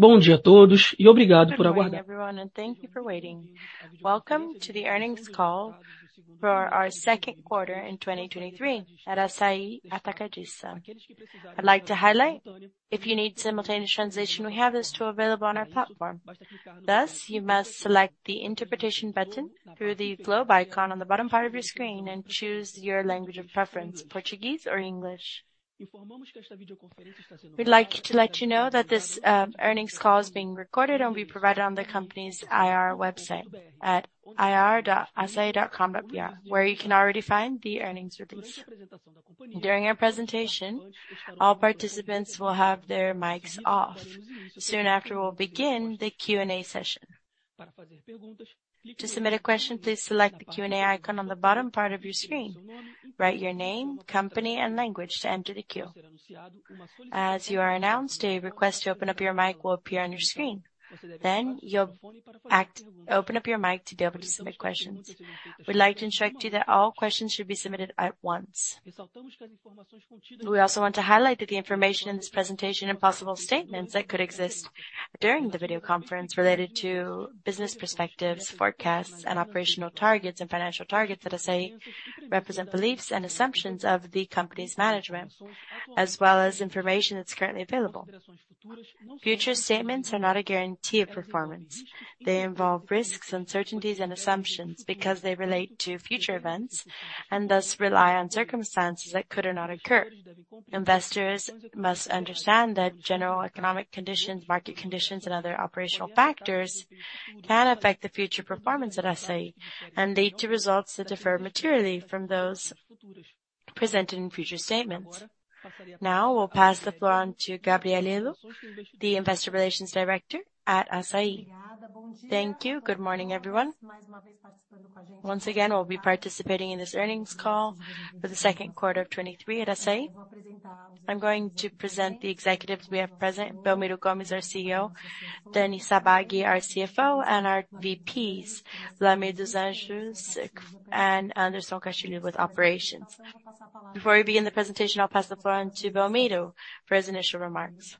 Good day, all, and thank you for waiting. Welcome to the earnings call for our second quarter in 2023 at Assaí Atacadista. I'd like to highlight, if you need simultaneous translation, we have this tool available on our platform. Thus, you must select the interpretation button through the globe icon on the bottom part of your screen and choose your language of preference, Portuguese or English. We'd like to let you know that this earnings call is being recorded and will be provided on the company's IR website at ri.assai.com.br, where you can already find the earnings release. During our presentation, all participants will have their mics off. Soon after, we'll begin the Q&A session. To submit a question, please select the Q&A icon on the bottom part of your screen. Write your name, company, and language to enter the queue. As you are announced, a request to open up your mic will appear on your screen. you'll open up your mic to be able to submit questions. We'd like to instruct you that all questions should be submitted at once. We also want to highlight that the information in this presentation and possible statements that could exist during the video conference related to business perspectives, forecasts, and operational targets and financial targets at Assaí, represent beliefs and assumptions of the company's management, as well as information that's currently available. Future statements are not a guarantee of performance. They involve risks, uncertainties and assumptions because they relate to future events, and thus rely on circumstances that could or not occur. Investors must understand that general economic conditions, market conditions, and other operational factors can affect the future performance at Assaí and lead to results that differ materially from those presented in future statements. We'll pass the floor on to Gabrielle, the Investor Relations Director at Assaí. Thank you. Good morning, everyone. We'll be participating in this earnings call for the second quarter of 2023 at Assaí. I'm going to present the executives we have present, Belmiro Gomes, our CEO, Deni Sabbag, our CFO, and our VPs, Wlamir dos Anjos and Anderson Castilho with operations. Before we begin the presentation, I'll pass the floor on to Belmiro for his initial remarks.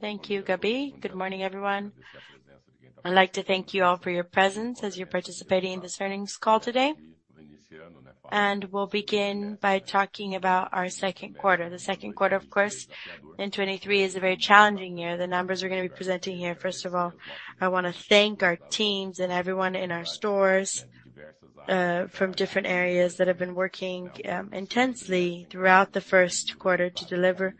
Thank you, Gabby. Good morning, everyone. I'd like to thank you all for your presence as you're participating in this earnings call today. We'll begin by talking about our second quarter. The second quarter, of course, in 2023 is a very challenging year. The numbers we're gonna be presenting here, first of all, I wanna thank our teams and everyone in our stores, from different areas that have been working intensely throughout the first quarter to deliver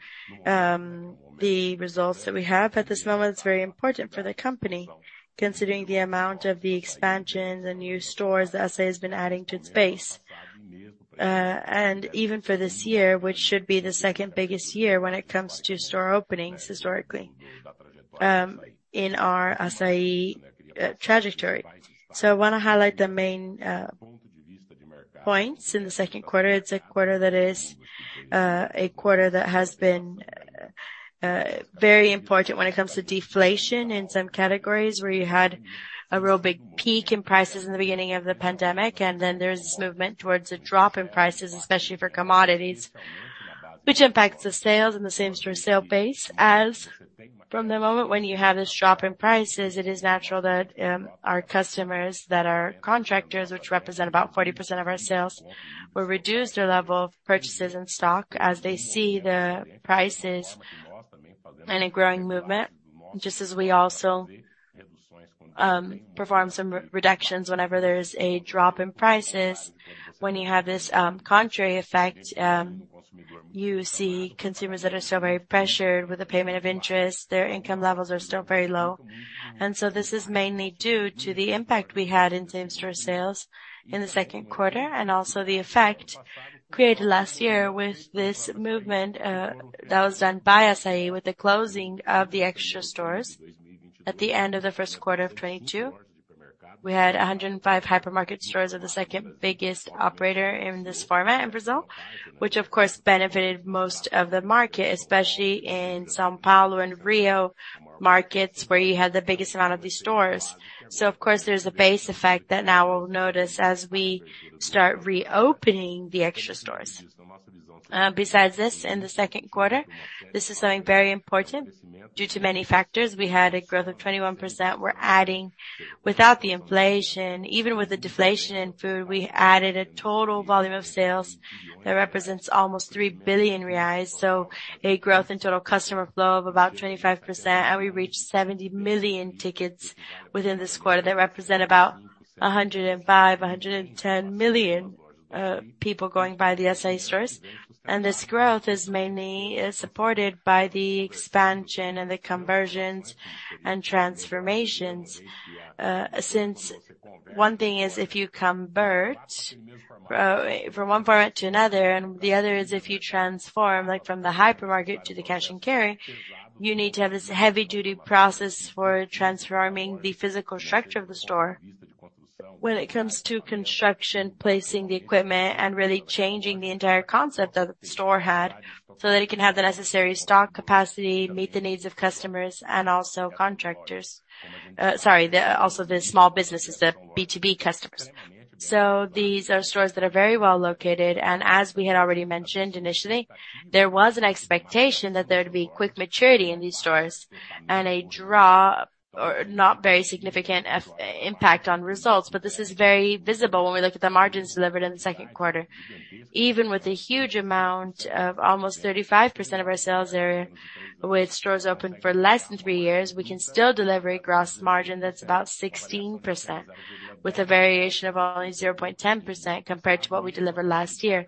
the results that we have at this moment. It's very important for the company, considering the amount of the expansions and new stores that Assaí has been adding to its space. Even for this year, which should be the second biggest year when it comes to store openings historically, in our Assaí trajectory. I wanna highlight the main points in the second quarter. It's a quarter that is, a quarter that has been very important when it comes to deflation in some categories, where you had a real big peak in prices in the beginning of the pandemic, and then there's this movement towards a drop in prices, especially for commodities, which impacts the sales and the same store sale base. As from the moment when you have this drop in prices, it is natural that our customers that are contractors, which represent about 40% of our sales, will reduce their level of purchases in stock as they see the prices in a growing movement, just as we also perform some re-reductions whenever there's a drop in prices. When you have this contrary effect, you see consumers that are still very pressured with the payment of interest, their income levels are still very low. This is mainly due to the impact we had in same store sales in the second quarter, and also the effect created last year with this movement that was done by Assaí with the closing of the extra stores. At the end of the first quarter of 2022, we had 105 hypermarket stores as the second biggest operator in this format in Brazil, which of course benefited most of the market, especially in São Paulo and Rio markets, where you had the biggest amount of these stores. Of course, there's a base effect that now we'll notice as we start reopening the extra stores. Besides this, in the second quarter, this is something very important. Due to many factors, we had a growth of 21%. Without the inflation, even with the deflation in food, we added a total volume of sales that represents almost 3 billion reais, so a growth in total customer flow of about 25%, and we reached 70 million tickets within this quarter. That represent about 105 million-110 million people going by the Assaí stores. This growth is mainly supported by the expansion and the conversions and transformations, since one thing is if you convert from one format to another, and the other is if you transform, like from the hypermarket to the Cash & Carry, you need to have this heavy-duty process for transforming the physical structure of the store. When it comes to construction, placing the equipment and really changing the entire concept that the store had. That it can have the necessary stock capacity, meet the needs of customers and also contractors. Sorry, also the small businesses, the B2B customers. These are stores that are very well located, and as we had already mentioned initially, there was an expectation that there would be quick maturity in these stores and a drop, or not very significant impact on results. This is very visible when we look at the margins delivered in the second quarter. Even with a huge amount of almost 35% of our sales area, with stores open for less than three years, we can still deliver a gross margin that's about 16%, with a variation of only 0.10% compared to what we delivered last year.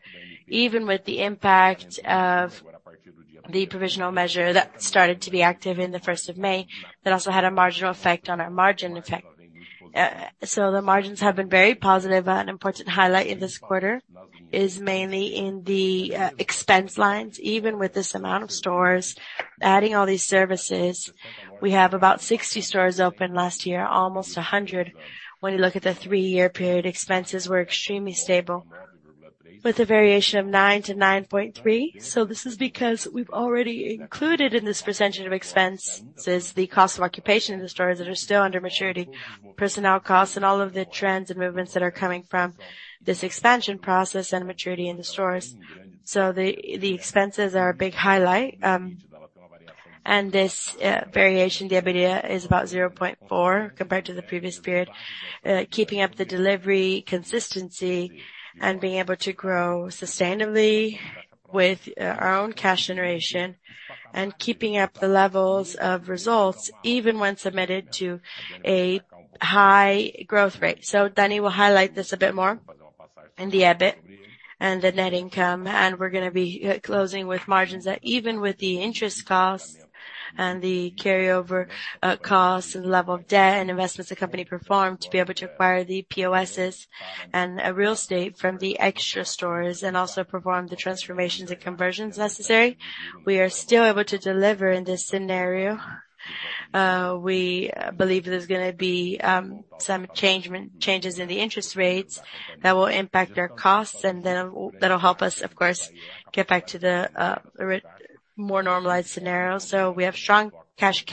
Even with the impact of the provisional measure that started to be active in the first of May, that also had a marginal effect on our margin effect. The margins have been very positive. An important highlight in this quarter is mainly in the expense lines. Even with this amount of stores, adding all these services, we have about 60 stores open last year, almost 100. When you look at the three-year period, expenses were extremely stable, with a variation of 9-9.3. This is because we've already included in this percentage of expenses, the cost of occupation in the stores that are still under maturity, personnel costs, and all of the trends and movements that are coming from this expansion process and maturity in the stores. The expenses are a big highlight, and this variation, the EBITDA, is about 0.4 compared to the previous period. Keeping up the delivery, consistency and being able to grow sustainably with our own cash generation and keeping up the levels of results even when submitted to a high growth rate. Danny will highlight this a bit more in the EBIT and the net income, and we're gonna be closing with margins, that even with the interest costs and the carryover costs and level of debt and investments the company performed to be able to acquire the POSs and real estate from the extra stores, and also perform the transformations and conversions necessary, we are still able to deliver in this scenario. We believe there's gonna be some changes in the interest rates that will impact our costs. That'll help us, of course, get back to the more normalized scenario. We have strong cash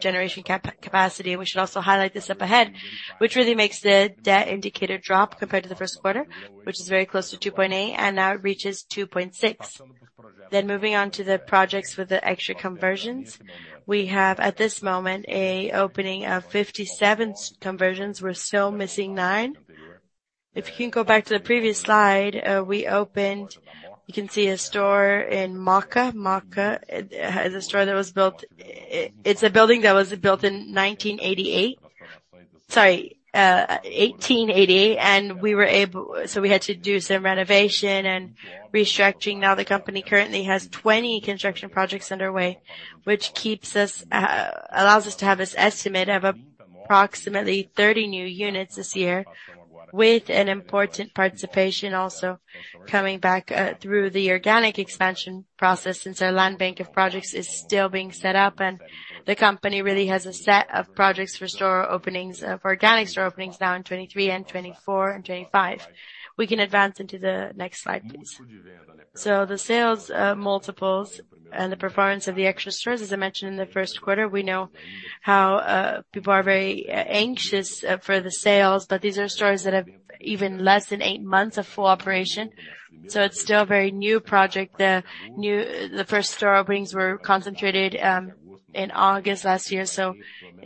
generation capacity, and we should also highlight this up ahead, which really makes the debt indicator drop compared to the first quarter, which is very close to 2.8, and now it reaches 2.6. Moving on to the projects with the extra conversions. We have, at this moment, a opening of 57 conversions. We're still missing nine. If you can go back to the previous slide, we opened. You can see a store in Maca. Maca is a store that was built. It's a building that was built in 1988. Sorry, 1888, and we were able... We had to do some renovation and restructuring. The company currently has 20 construction projects underway, which keeps us, allows us to have this estimate of approximately 30 new units this year, with an important participation also coming back through the organic expansion process, since our land bank of projects is still being set up, and the company really has a set of projects for store openings, for organic store openings now in 2023 and 2024 and 2025. We can advance into the next slide, please. The sales, multiples and the performance of the extra stores, as I mentioned in the first quarter, we know how people are very anxious for the sales, but these are stores that have even less than eight months of full operation, so it's still a very new project. The new, the first store openings were concentrated in August last year.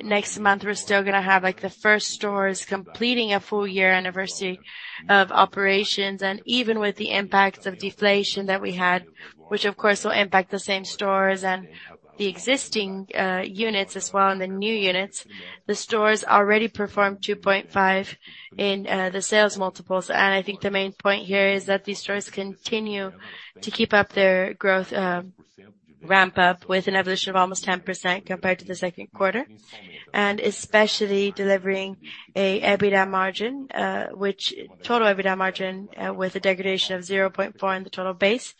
Next month, we're still gonna have, like, the first stores completing a full year anniversary of operations. Even with the impacts of deflation that we had, which of course, will impact the same stores and the existing, units as well, and the new units, the stores already performed 2.5 in the sales multiples. I think the main point here is that these stores continue to keep up their growth, ramp up with an evolution of almost 10% compared to the second quarter, especially delivering a EBITDA margin, which total EBITDA margin, with a degradation of 0.4 in the total base,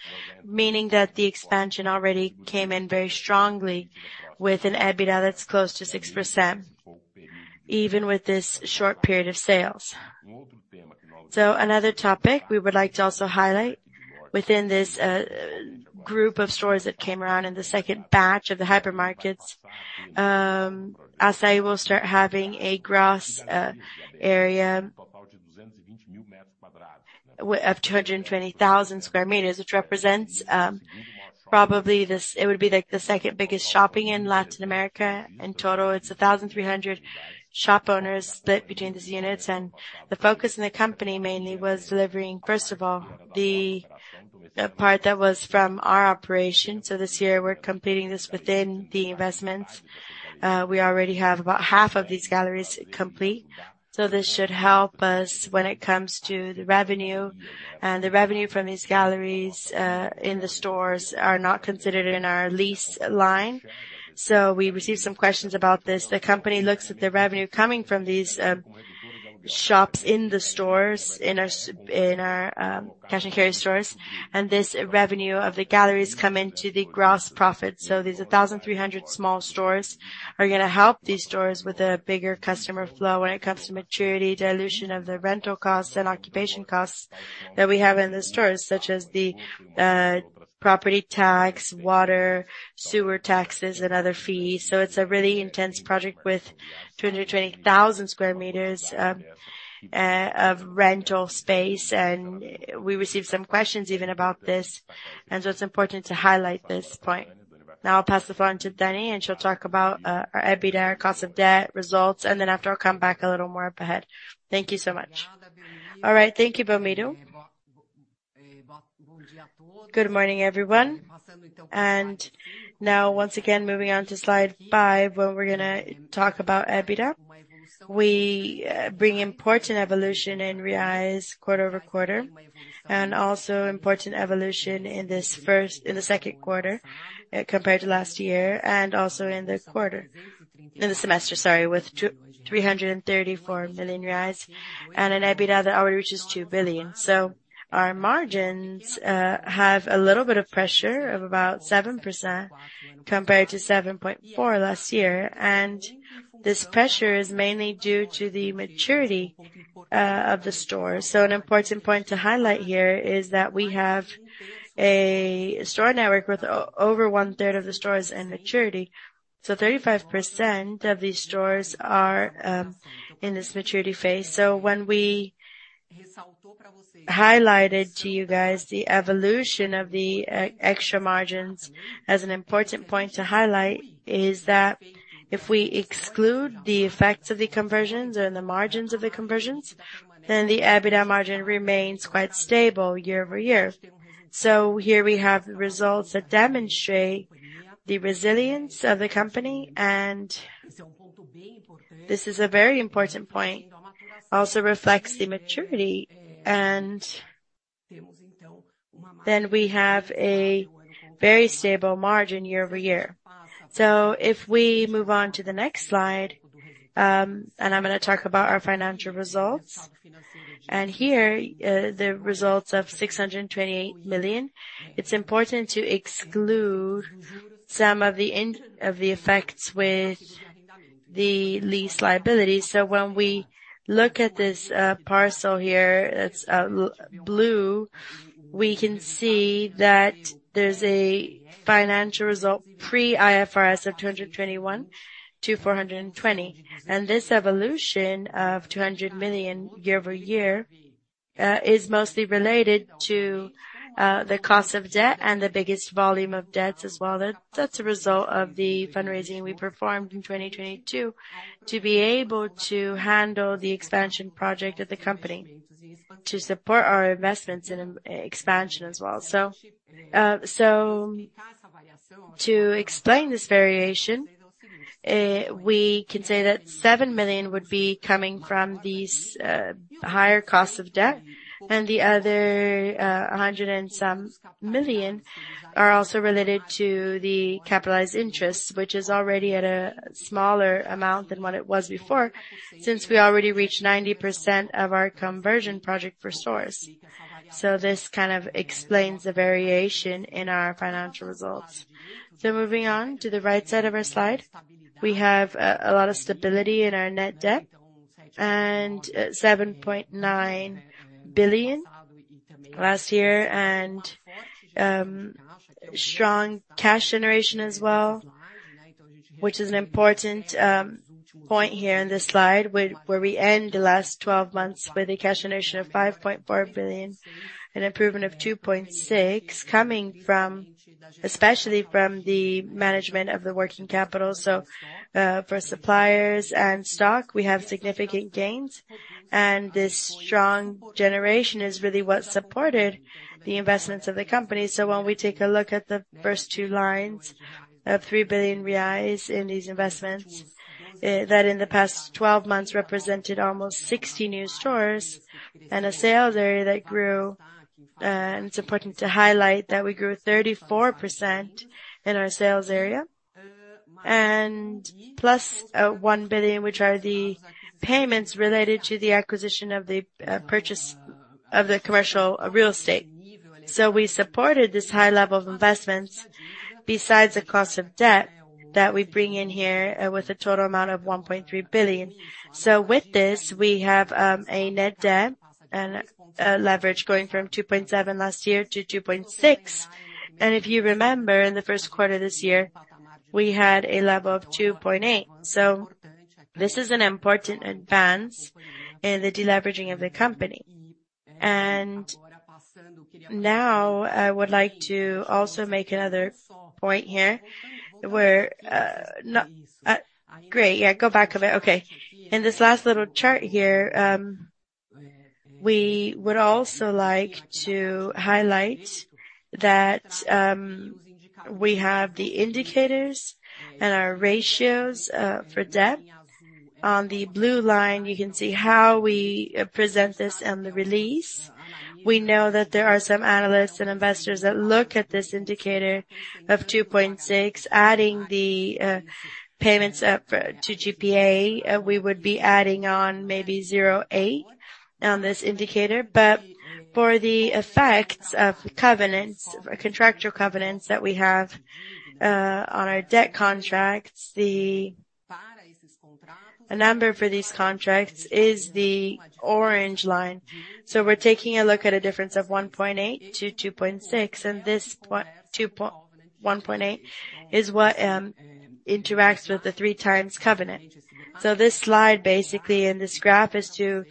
meaning that the expansion already came in very strongly with an EBITDA that's close to 6%, even with this short period of sales. Another topic we would like to also highlight within this group of stores that came around in the second batch of the hypermarkets, Assaí will start having a gross area of 220,000 square meters, which represents, probably this, it would be, like, the second biggest shopping in Latin America. In total, it's 1,300 shop owners split between these units. The focus in the company mainly was delivering, first of all, the part that was from our operation. This year, we're completing this within the investments. We already have about half of these galleries complete, so this should help us when it comes to the revenue. The revenue from these galleries, in the stores are not considered in our lease line. We received some questions about this. The company looks at the revenue coming from these shops in the stores, in our Cash & Carry stores, and this revenue of the galleries come into the gross profit. These 1,300 small stores are gonna help these stores with a bigger customer flow when it comes to maturity, dilution of the rental costs and occupation costs that we have in the stores, such as the property tax, water, sewer taxes, and other fees. It's a really intense project with 220,000 square meters of rental space, and we received some questions even about this, and it's important to highlight this point. I'll pass the floor on to Danny, and she'll talk about our EBITDA cost of debt results, and then after, I'll come back a little more up ahead. Thank you so much. All right. Thank you, Belmiro. Good morning, everyone. Now, once again, moving on to slide five, where we're gonna talk about EBITDA. We bring important evolution in reais, quarter over quarter, and also important evolution in the second quarter, compared to last year, and also in the quarter. In the semester, sorry, with reais 334 million and an EBITDA that already reaches reais 2 billion. Our margins have a little bit of pressure of about 7% compared to 7.4% last year, and this pressure is mainly due to the maturity of the store. An important point to highlight here is that we have a store network with over one-third of the stores in maturity. 35% of these stores are in this maturity phase. When we highlighted to you guys the evolution of the E-Extra margins, as an important point to highlight is that if we exclude the effects of the conversions and the margins of the conversions, the EBITDA margin remains quite stable year-over-year. Here we have results that demonstrate the resilience of the company, and this is a very important point, also reflects the maturity, we have a very stable margin year-over-year. If we move on to the next slide, I'm gonna talk about our financial results. Here, the results of 628 million, it's important to exclude some of the effects with the lease liability. When we look at this parcel here, that's blue, we can see that there's a financial result, pre-IFRS of 221-420. This evolution of 200 million year-over-year is mostly related to the cost of debt and the biggest volume of debts as well. That, that's a result of the fundraising we performed in 2022, to be able to handle the expansion project of the company, to support our investments in expansion as well. to explain this variation, we can say that 7 million would be coming from these higher costs of debt, and the other BRL a hundred and some million are also related to the capitalized interest, which is already at a smaller amount than what it was before, since we already reached 90% of our conversion project for stores. This kind of explains the variation in our financial results. Moving on to the right side of our slide, we have a lot of stability in our net debt and 7.9 billion last year, and strong cash generation as well, which is an important point here in this slide, where we end the last 12 months with a cash generation of 5.4 billion, an improvement of 2.6, coming especially from the management of the working capital. For suppliers and stock, we have significant gains, and this strong generation is really what supported the investments of the company. When we take a look at the first two lines of 3 billion reais in these investments that in the past 12 months, represented almost 60 new stores and a sales area that grew. It's important to highlight that we grew 34% in our sales area, and plus, 1 billion, which are the payments related to the acquisition of the purchase of the commercial real estate. We supported this high level of investments, besides the cost of debt that we bring in here, with a total amount of 1.3 billion. With this, we have a net debt and a leverage going from 2.7 last year to 2.6. If you remember, in the first quarter of this year, we had a level of 2.8. This is an important advance in the deleveraging of the company. Now, I would like to also make another point here, where Great, yeah, go back a bit. Okay. In this last little chart here, we would also like to highlight that, we have the indicators and our ratios, for debt. On the blue line, you can see how we present this in the release. We know that there are some analysts and investors that look at this indicator of 2.6, adding the payments up to GPA, we would be adding on maybe 0.8 on this indicator. For the effects of covenants, contractual covenants that we have, on our debt contracts, The number for these contracts is the orange line. We're taking a look at a difference of 1.8 to 2.6, and this point, 1.8 is what interacts with the three times covenant. This slide, basically, and this graph is to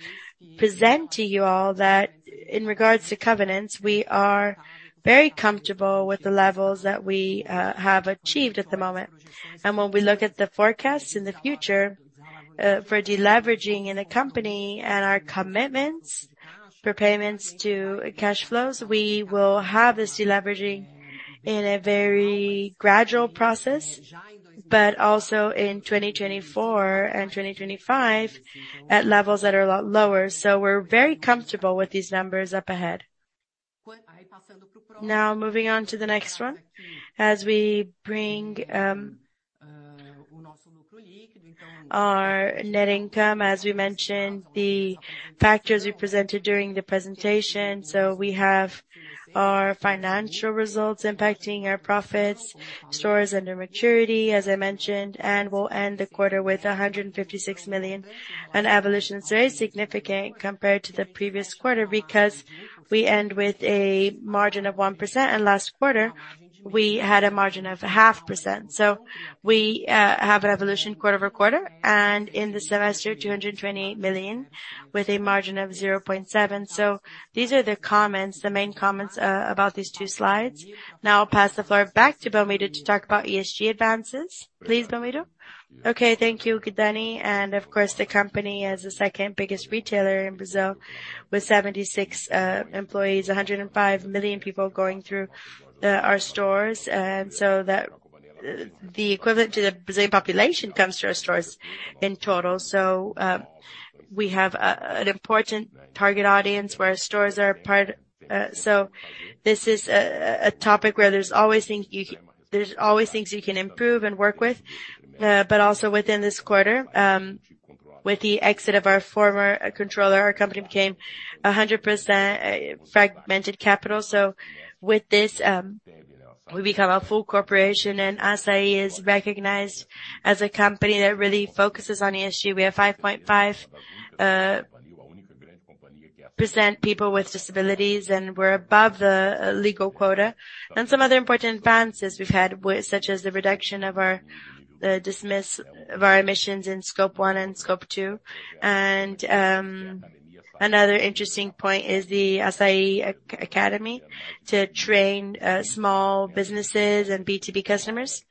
present to you all that in regards to covenants, we are very comfortable with the levels that we have achieved at the moment. When we look at the forecast in the future, for deleveraging in the company and our commitments for payments to cash flows, we will have this deleveraging in a very gradual process, but also in 2024 and 2025, at levels that are a lot lower. We're very comfortable with these numbers up ahead. Moving on to the next one. As we bring our net income, as we mentioned, the factors we presented during the presentation, so we have our financial results impacting our profits, stores under maturity, as I mentioned, and we'll end the quarter with 156 million. Evolution is very significant compared to the previous quarter because we end with a margin of 1%, and last quarter, we had a margin of 0.5%. We have an evolution quarter-over-quarter, and in the semester, 228 million, with a margin of 0.7%. These are the comments, the main comments, about these two slides. Now I'll pass the floor back to Belmiro to talk about ESG advances. Please, Belmiro. Okay, thank you, Dani. Of course, the company is the second-biggest retailer in Brazil, with 76 employees, 105 million people going through our stores. That the equivalent to the Brazilian population comes to our stores in total. We have an important target audience where our stores are part. This is a topic where there's always things you can, there's always things you can improve and work with. Also within this quarter, with the exit of our former controller, our company became 100% fragmented capital. With this, we become a full corporation, and Assaí is recognized as a company that really focuses on ESG. We have 5.5% people with disabilities, and we're above the legal quota. Some other important advances we've had with, such as the reduction of our emissions in scope one and scope two. Another interesting point is the Assaí Academy to train small businesses and B2B customers.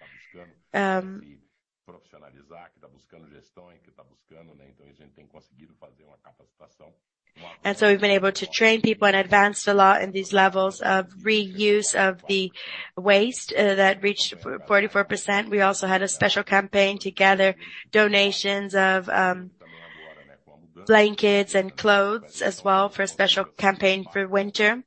We've been able to train people and advance a lot in these levels of reuse of the waste, that reached for 44%. We also had a special campaign to gather donations of blankets and clothes as well, for a special campaign for winter.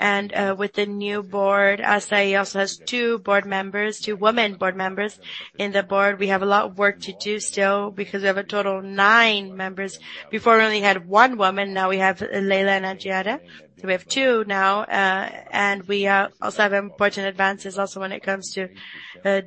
With the new board, Assaí also has two board members, two women board members. In the board, we have a lot of work to do still because we have a total of nine members. Before, we only had one woman, now we have Leila and Angiada, so we have two now. We also have important advances also when it comes to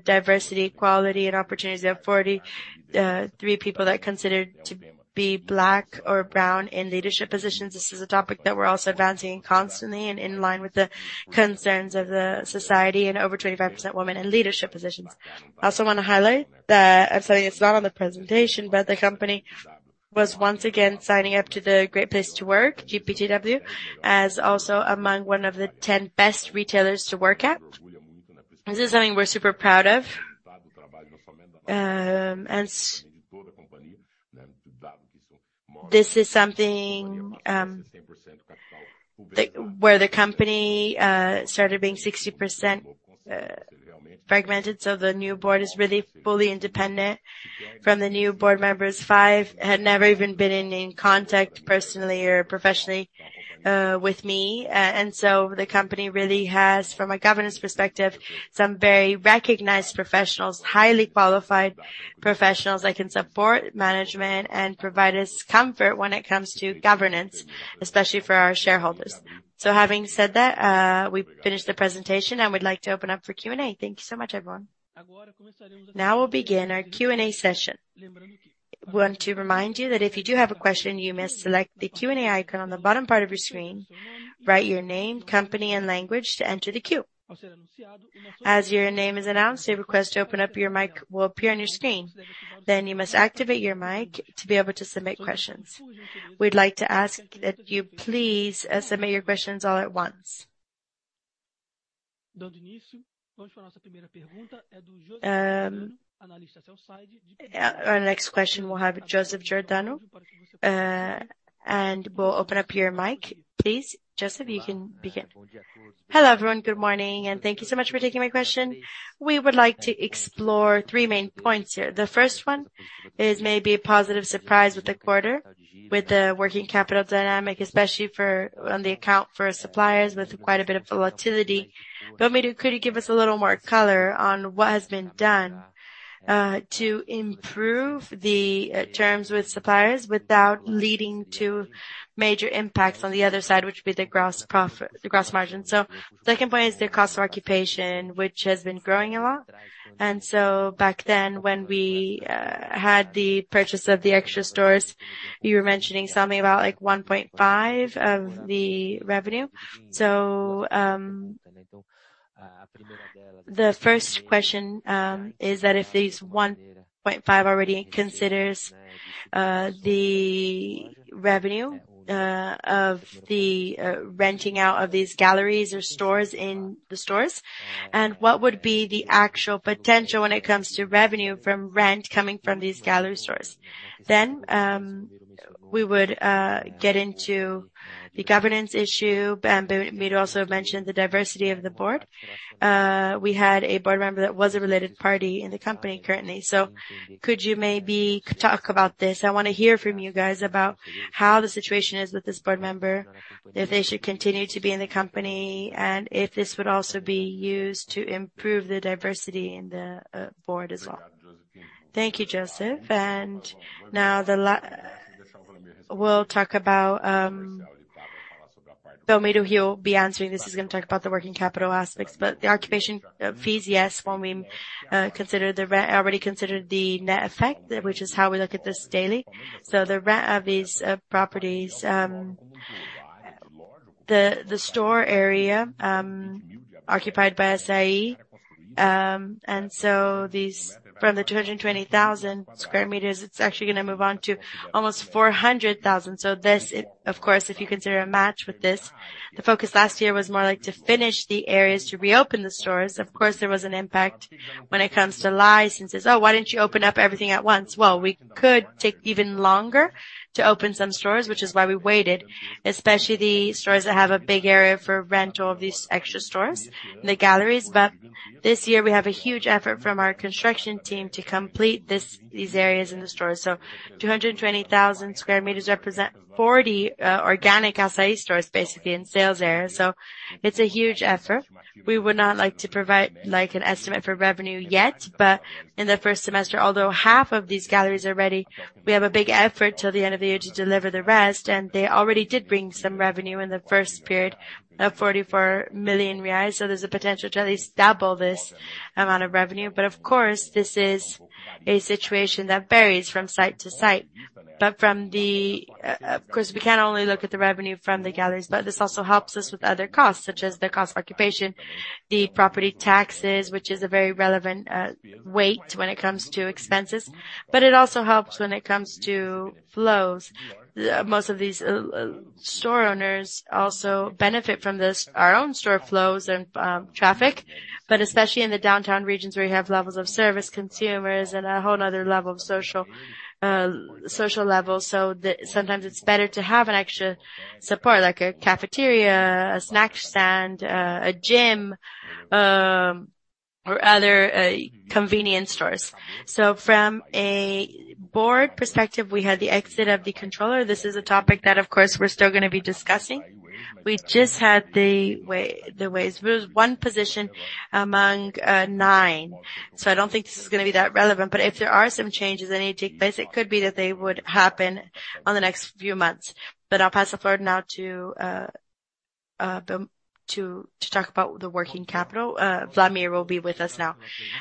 diversity, equality, and opportunities. We have 43 people that are considered to be Black or Brown in leadership positions. This is a topic that we're also advancing constantly and in line with the concerns of the society, and over 25% women in leadership positions. I also want to highlight that, I'm sorry, it's not on the presentation, but the company was once again signing up to the Great Place to Work, GPTW, as also among one of the 10 best retailers to work at. This is something we're super proud of. This is something, like, where the company started being 60% fragmented, so the new board is really fully independent. From the new board members, five had never even been in contact personally or professionally with me. The company really has, from a governance perspective, some very recognized professionals, highly qualified professionals that can support management and provide us comfort when it comes to governance, especially for our shareholders. Having said that, we've finished the presentation, and we'd like to open up for Q&A. Thank you so much, everyone. Now we'll begin our Q&A session. We want to remind you that if you do have a question, you must select the Q&A icon on the bottom part of your screen, write your name, company, and language to enter the queue. As your name is announced, a request to open up your mic will appear on your screen. You must activate your mic to be able to submit questions. We'd like to ask that you please submit your questions all at once. Our next question, we'll have Joseph Giordano. We'll open up your mic, please. Joseph, you can begin. Hello, everyone. Good morning, and thank you so much for taking my question. We would like to explore three main points here. The first one is maybe a positive surprise with the quarter, with the working capital dynamic, especially for, on the account for suppliers with quite a bit of volatility. Belmiro, could you give us a little more color on what has been done to improve the terms with suppliers without leading to major impacts on the other side, which would be the gross profit, the gross margin? The second point is the cost of occupation, which has been growing a lot. Back then, when we had the purchase of the extra stores, you were mentioning something about, like, 1.5 of the revenue. The first question is that if these 1.5 already considers the revenue of the renting out of these galleries or stores in the stores, and what would be the actual potential when it comes to revenue from rent coming from these gallery stores? We would get into the governance issue. Belmiro also mentioned the diversity of the board. We had a board member that was a related party in the company currently. Could you maybe talk about this? I want to hear from you guys about how the situation is with this board member, if they should continue to be in the company, and if this would also be used to improve the diversity in the board as well. Thank you, Joseph. Now we'll talk about Belmiro, he'll be answering this. He's going to talk about the working capital aspects. The occupation, fees, yes, when we consider already considered the net effect, which is how we look at this daily. The rent of these properties, the store area, occupied by Assaí, and these from the 220,000 square meters, it's actually going to move on to almost 400,000. This, of course, if you consider a match with this, the focus last year was more like to finish the areas, to reopen the stores. Of course, there was an impact when it comes to licenses. Why don't you open up everything at once? We could take even longer to open some stores, which is why we waited, especially the stores that have a big area for rental of these extra stores, the galleries. This year, we have a huge effort from our construction team to complete these areas in the store. 220,000 sq m represent 40 organic Assaí stores, basically in sales area. It's a huge effort. We would not like to provide, like, an estimate for revenue yet, but in the first semester, although half of these galleries are ready, we have a big effort till the end of the year to deliver the rest, and they already did bring some revenue in the first period of 44 million reais. There's a potential to at least double this amount of revenue. Of course, this is a situation that varies from site to site. From the, Of course, we can't only look at the revenue from the galleries, but this also helps us with other costs, such as the cost of occupation, the property taxes, which is a very relevant weight when it comes to expenses, but it also helps when it comes to flows. Most of these store owners also benefit from this, our own store flows and traffic, but especially in the downtown regions, where you have levels of service consumers and a whole other level of social level. Sometimes it's better to have an extra support, like a cafeteria, a snack stand, a gym, or other convenience stores. From a board perspective, we had the exit of the controller. This is a topic that, of course, we're still going to be discussing. We just had the ways. It was one position among nine. I don't think this is going to be that relevant, but if there are some changes that need to take place, it could be that they would happen on the next few months. I'll pass the floor now to talk about the working capital. Vladimir will be with us now.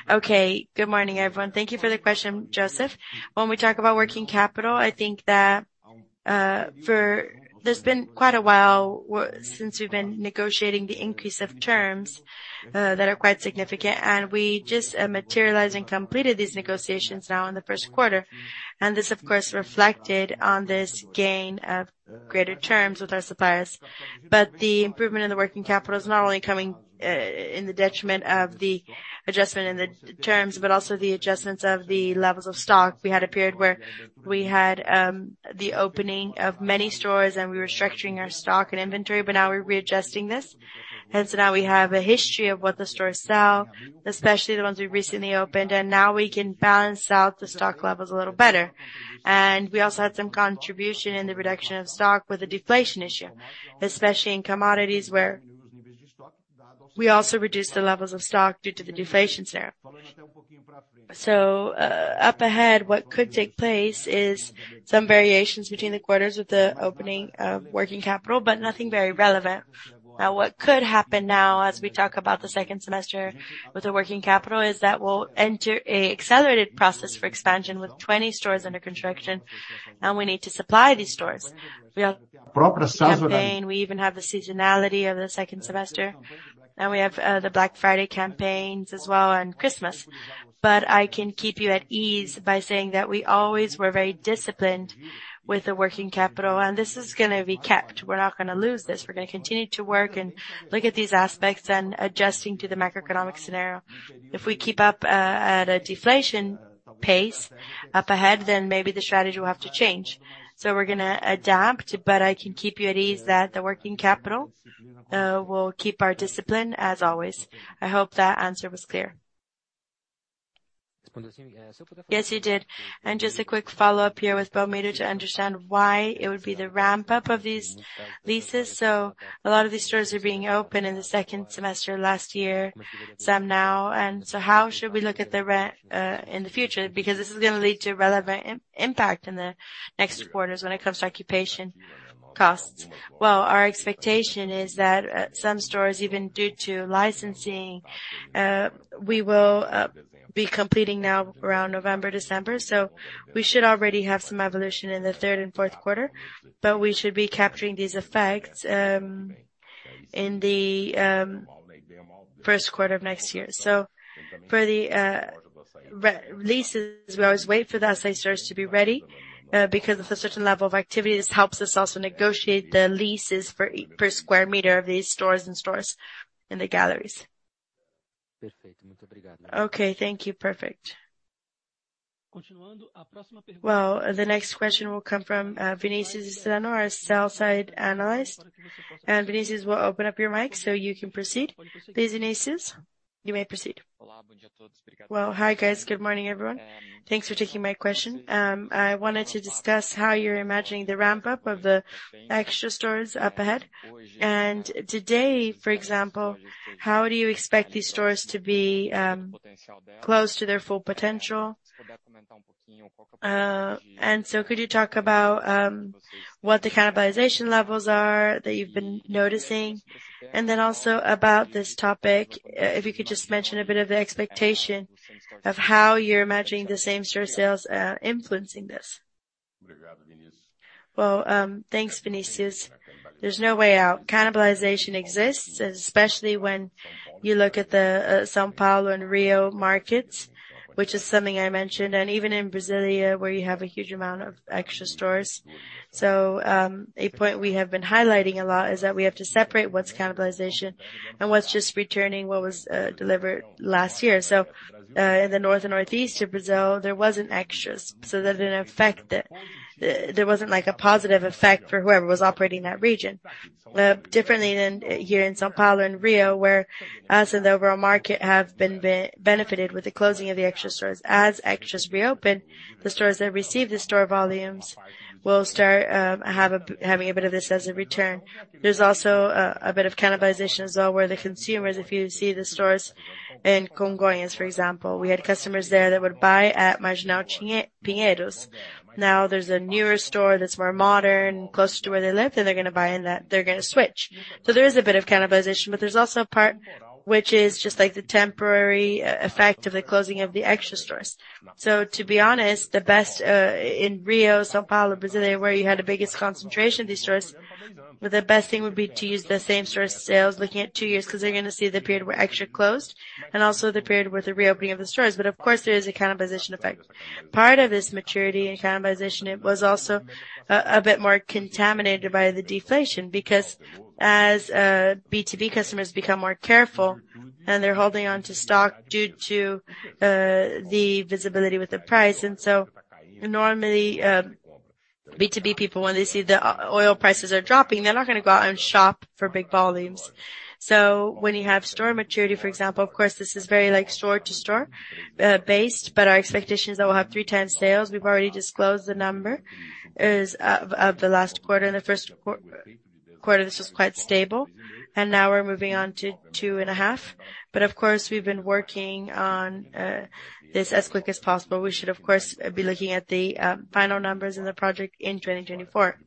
Okay, good morning, everyone. Thank you for the question, Joseph. When we talk about working capital, I think that there's been quite a while since we've been negotiating the increase of terms that are quite significant, and we just materialized and completed these negotiations now in the 1st quarter. This, of course, reflected on this gain of greater terms with our suppliers. The improvement in the working capital is not only coming in the detriment of the adjustment in the terms, but also the adjustments of the levels of stock. We had a period where we had the opening of many stores, and we were structuring our stock and inventory, but now we're readjusting this. Now we have a history of what the stores sell, especially the ones we recently opened, and now we can balance out the stock levels a little better. We also had some contribution in the reduction of stock with the deflation issue, especially in commodities, where we also reduced the levels of stock due to the deflation scenario. Up ahead, what could take place is some variations between the quarters with the opening of working capital, but nothing very relevant. What could happen now, as we talk about the second semester with the working capital, is that we'll enter a accelerated process for expansion with 20 stores under construction, and we need to supply these stores. We have proper southern campaign. We even have the seasonality of the second semester, and we have the Black Friday campaigns as well, and Christmas. I can keep you at ease by saying that we always were very disciplined with the working capital, and this is gonna be kept. We're not gonna lose this. We're gonna continue to work and look at these aspects and adjusting to the macroeconomic scenario. If we keep up at a deflation pace up ahead, then maybe the strategy will have to change. We're gonna adapt, but I can keep you at ease that the working capital will keep our discipline as always. I hope that answer was clear. Yes, you did. Just a quick follow-up here with Belmiro to understand why it would be the ramp-up of these leases. A lot of these stores are being opened in the second semester last year, some now. How should we look at the rent in the future? This is going to lead to relevant impact in the next quarters when it comes to occupation costs. Our expectation is that some stores, even due to licensing, we will be completing now around November, December. We should already have some evolution in the third and fourth quarter, but we should be capturing these effects in the first quarter of next year. For the leases, we always wait for the Assaí stores to be ready because of a certain level of activity. This helps us also negotiate the leases per square meter of these stores and stores in the galleries. Okay, thank you. Perfect. Well, the next question will come from Vinicius Strano, our sell side analyst. Vinicius, we'll open up your mic so you can proceed. Please, Vinicius, you may proceed. Well, hi, guys. Good morning, everyone. Thanks for taking my question. I wanted to discuss how you're imagining the ramp-up of the extra stores up ahead. Today, for example, how do you expect these stores to be close to their full potential? Could you talk about what the cannibalization levels are that you've been noticing? Also about this topic, if you could just mention a bit of the expectation of how you're imagining the same store sales influencing this. Well, thanks, Vinicius. There's no way out. Cannibalization exists, especially when you look at the São Paulo and Rio markets, which is something I mentioned, and even in Brasília, where you have a huge amount of extra stores. A point we have been highlighting a lot is that we have to separate what's cannibalization and what's just returning what was delivered last year. In the north and northeastern Brazil, there wasn't Extras, so that didn't affect. There wasn't a positive effect for whoever was operating that region. Differently than here in São Paulo and Rio, where us and the overall market have been benefited with the closing of the Extra stores. As Extras reopen, the stores that receive the store volumes will start having a bit of this as a return. There's also a bit of cannibalization as well, where the consumers, if you see the stores in Congonhas, for example, we had customers there that would buy at Marginal Pinheiros. Now there's a newer store that's more modern, closer to where they live, and they're gonna buy in that, they're gonna switch. There is a bit of cannibalization, but there's also a part which is just like the temporary effect of the closing of the Extra stores. To be honest, the best in Rio, São Paulo, Brasília, where you had the biggest concentration of these stores, but the best thing would be to use the same store as sales looking at two years, 'cause they're gonna see the period where Extra closed and also the period with the reopening of the stores. Of course, there is a cannibalization effect. Part of this maturity and cannibalization, it was also a bit more contaminated by the deflation, because as B2B customers become more careful and they're holding on to stock due to the visibility with the price, Normally, B2B people, when they see the oil prices are dropping, they're not gonna go out and shop for big volumes. When you have store maturity, for example, of course, this is very like store-to-store based, but our expectations that we'll have three times sales, we've already disclosed the number, is of the last quarter. In the first quarter, this was quite stable, and now we're moving on to 2.5. Of course, we've been working on this as quick as possible. We should, of course, be looking at the final numbers in the project in 2024.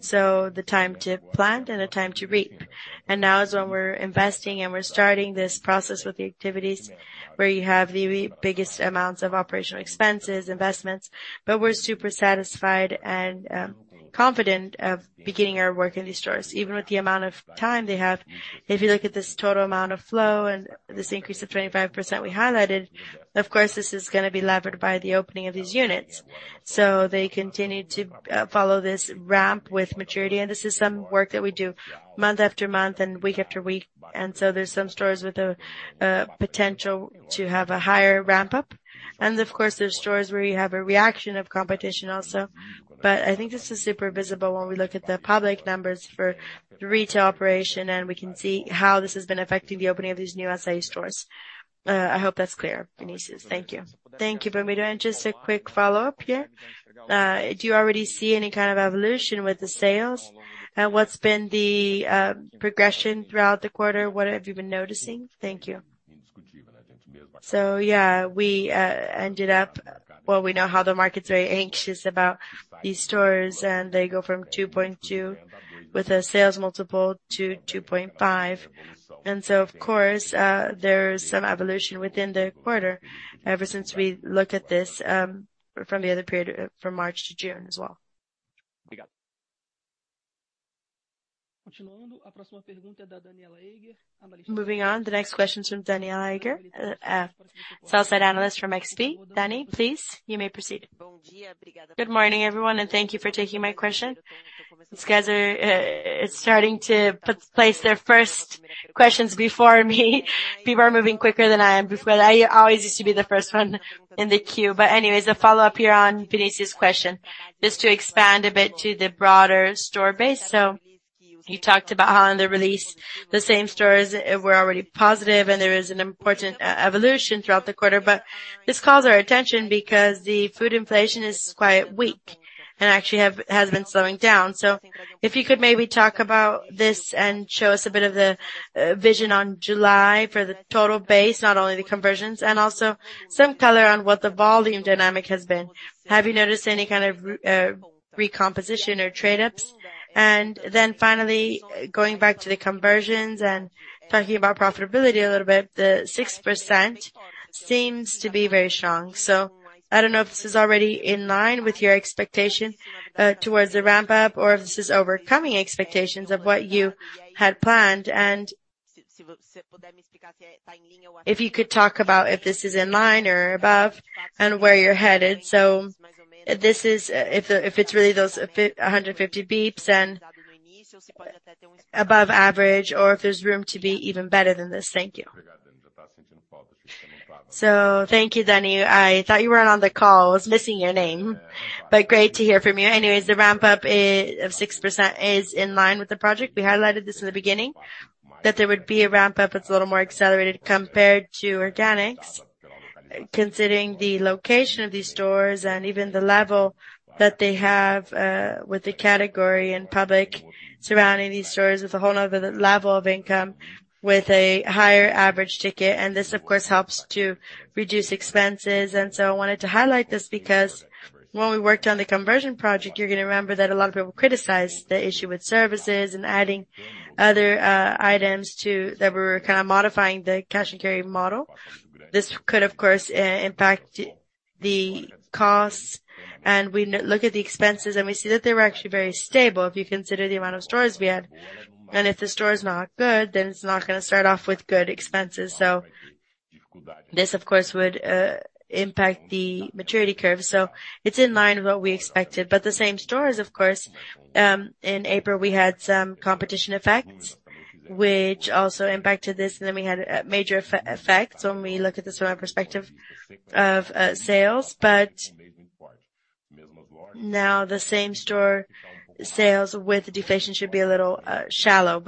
The time to plant and the time to reap. Now is when we're investing and we're starting this process with the activities, where you have the biggest amounts of operational expenses, investments. We're super satisfied and confident of beginning our work in these stores, even with the amount of time they have. If you look at this total amount of flow and this increase of 25% we highlighted, of course, this is gonna be levered by the opening of these units. They continue to follow this ramp with maturity, and this is some work that we do month after month and week after week. There's some stores with a potential to have a higher ramp-up. Of course, there's stores where you have a reaction of competition also. I think this is super visible when we look at the public numbers for the retail operation, and we can see how this has been affecting the opening of these new Assaí stores. I hope that's clear, Venetias. Thank you. Thank you, Pamida. Just a quick follow-up here. Do you already see any kind of evolution with the sales? What's been the progression throughout the quarter? What have you been noticing? Thank you. Yeah, well, we know how the market's very anxious about these stores, and they go from 2.2x with a sales multiple to 2.5x. Of course, there's some evolution within the quarter ever since we looked at this from the other period, from March to June as well. Moving on, the next question is from Daniela Eiger, Sell-Side Analyst from XP. Danny, please, you may proceed. Good morning, everyone, thank you for taking my question. These guys are starting to put place their first questions before me. People are moving quicker than I am, because I always used to be the first one in the queue. Anyways, a follow-up here on Venetias's question, just to expand a bit to the broader store base. You talked about how in the release, the same stores were already positive, and there is an important evolution throughout the quarter, this calls our attention because the food inflation is quite weak and actually has been slowing down. If you could maybe talk about this and show us a bit of the vision on July for the total base, not only the conversions, and also some color on what the volume dynamic has been. Have you noticed any kind of recomposition or trade-ups? Then finally, going back to the conversions and talking about profitability a little bit, the 6% seems to be very strong. I don't know if this is already in line with your expectation towards the ramp up, or if this is overcoming expectations of what you had planned. If you could talk about if this is in line or above, and where you're headed. This is, if it's really those 150 basis points, and above average, or if there's room to be even better than this? Thank you. Thank you, Danny. I thought you weren't on the call. I was missing your name, but great to hear from you. Anyways, the ramp up of 6% is in line with the project. We highlighted this in the beginning, that there would be a ramp up that's a little more accelerated compared to organics, considering the location of these stores and even the level that they have with the category and public surrounding these stores, it's a whole other level of income with a higher average ticket. This, of course, helps to reduce expenses. I wanted to highlight this because when we worked on the conversion project, you're gonna remember that a lot of people criticized the issue with services and adding other items that we were kind of modifying the Cash & Carry model. This could, of course, impact the costs. We look at the expenses, and we see that they were actually very stable. If you consider the amount of stores we had, and if the store is not good, then it's not gonna start off with good expenses. This, of course, would impact the maturity curve, so it's in line with what we expected. The same stores, of course, in April, we had some competition effects, which also impacted this. We had major effects when we look at this from a perspective of sales. Now, the same store sales with deflation should be a little shallow.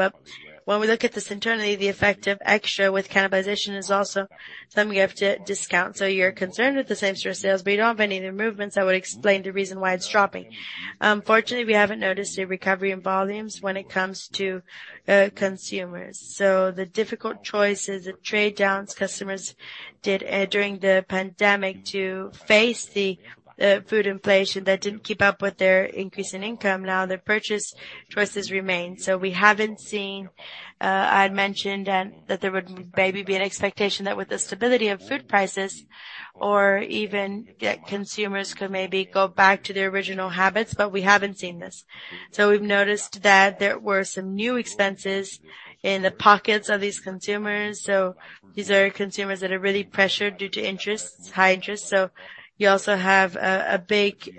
When we look at this internally, the effect of extra with cannibalization is also something we have to discount. You're concerned with the same store sales, but you don't have any other movements that would explain the reason why it's dropping. Fortunately, we haven't noticed a recovery in volumes when it comes to consumers. The difficult choices, the trade-downs customers did during the pandemic to face the food inflation that didn't keep up with their increase in income, now their purchase choices remain. We haven't seen. I had mentioned that there would maybe be an expectation that with the stability of food prices or even that consumers could maybe go back to their original habits, but we haven't seen this. We've noticed that there were some new expenses in the pockets of these consumers. These are consumers that are really pressured due to interests, high interests. You also have a big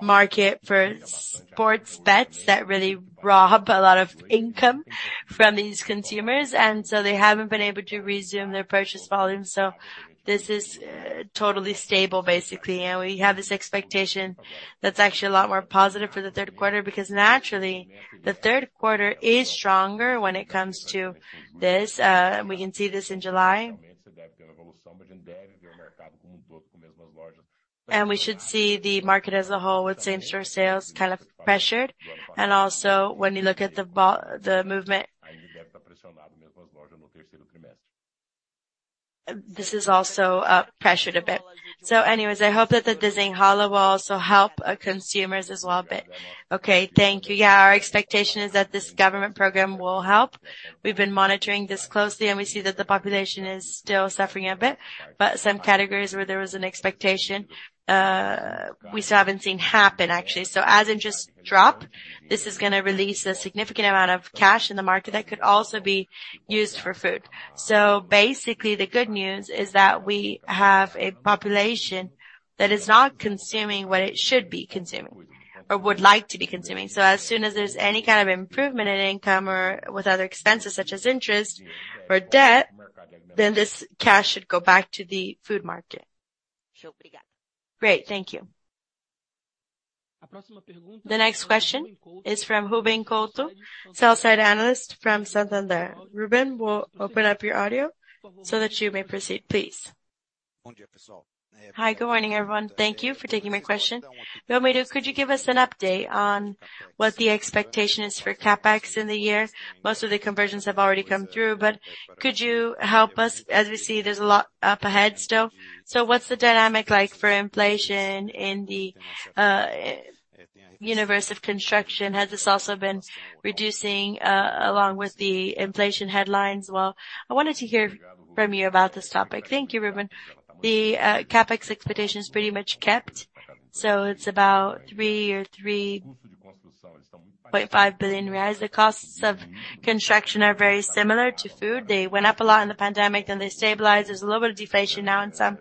market for sports bets that really rob a lot of income from these consumers, they haven't been able to resume their purchase volumes. This is totally stable, basically. We have this expectation that's actually a lot more positive for the third quarter, because naturally, the third quarter is stronger when it comes to this, and we can see this in July. We should see the market as a whole, with same store sales, kind of pressured. Also, when you look at the movement, this is also pressured a bit. Anyways, I hope that the Desing Hala will also help consumers as well. Okay, thank you. Yeah, our expectation is that this government program will help. We've been monitoring this closely, and we see that the population is still suffering a bit, but some categories where there was an expectation, we still haven't seen happen, actually. As interests drop, this is gonna release a significant amount of cash in the market that could also be used for food. Basically, the good news is that we have a population that is not consuming what it should be consuming or would like to be consuming. As soon as there's any kind of improvement in income or with other expenses, such as interest or debt, then this cash should go back to the food market. Great. Thank you. The next question is from Ruben Couto, sell side analyst from Santander. Ruben, we'll open up your audio so that you may proceed, please. Hi, good morning, everyone. Thank you for taking my question. Belmiro, could you give us an update on what the expectation is for CapEx in the year? Most of the conversions have already come through, but could you help us? As we see, there's a lot up ahead still. What's the dynamic like for inflation in the universe of construction? Has this also been reducing along with the inflation headlines? I wanted to hear from you about this topic. Thank you, Ruben. The CapEx expectation is pretty much kept. It's about 3 billion or 3.5 billion reais. The costs of construction are very similar to food. They went up a lot in the pandemic, then they stabilized. There's a little bit of deflation now in some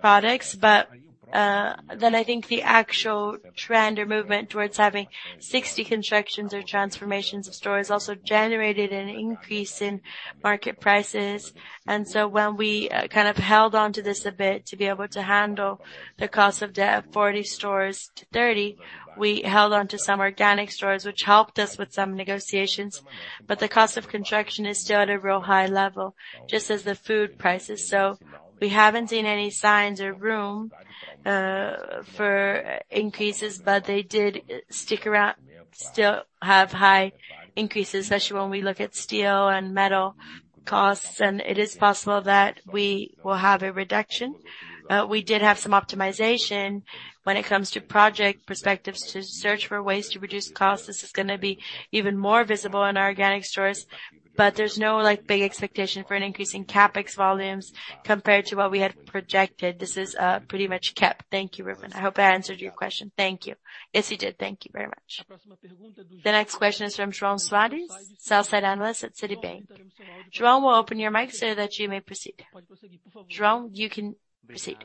products, but, then I think the actual trend or movement towards having 60 constructions or transformations of stores also generated an increase in market prices. When we, kind of held on to this a bit to be able to handle the cost of the 40 stores to 30, we held on to some organic stores, which helped us with some negotiations. The cost of construction is still at a real high level, just as the food prices. We haven't seen any signs or room for increases, but they did stick around, still have high increases, especially when we look at steel and metal costs, and it is possible that we will have a reduction. We did have some optimization when it comes to project perspectives, to search for ways to reduce costs. This is gonna be even more visible in our organic stores, but there's no, like, big expectation for an increase in CapEx volumes compared to what we had projected. This is pretty much kept. Thank you, Ruben. I hope I answered your question. Thank you. Yes, you did. Thank you very much. The next question is from Jerome Sladis, sell-side analyst at Citibank. Jerome, we'll open your mic so that you may proceed. Jerome, you can proceed.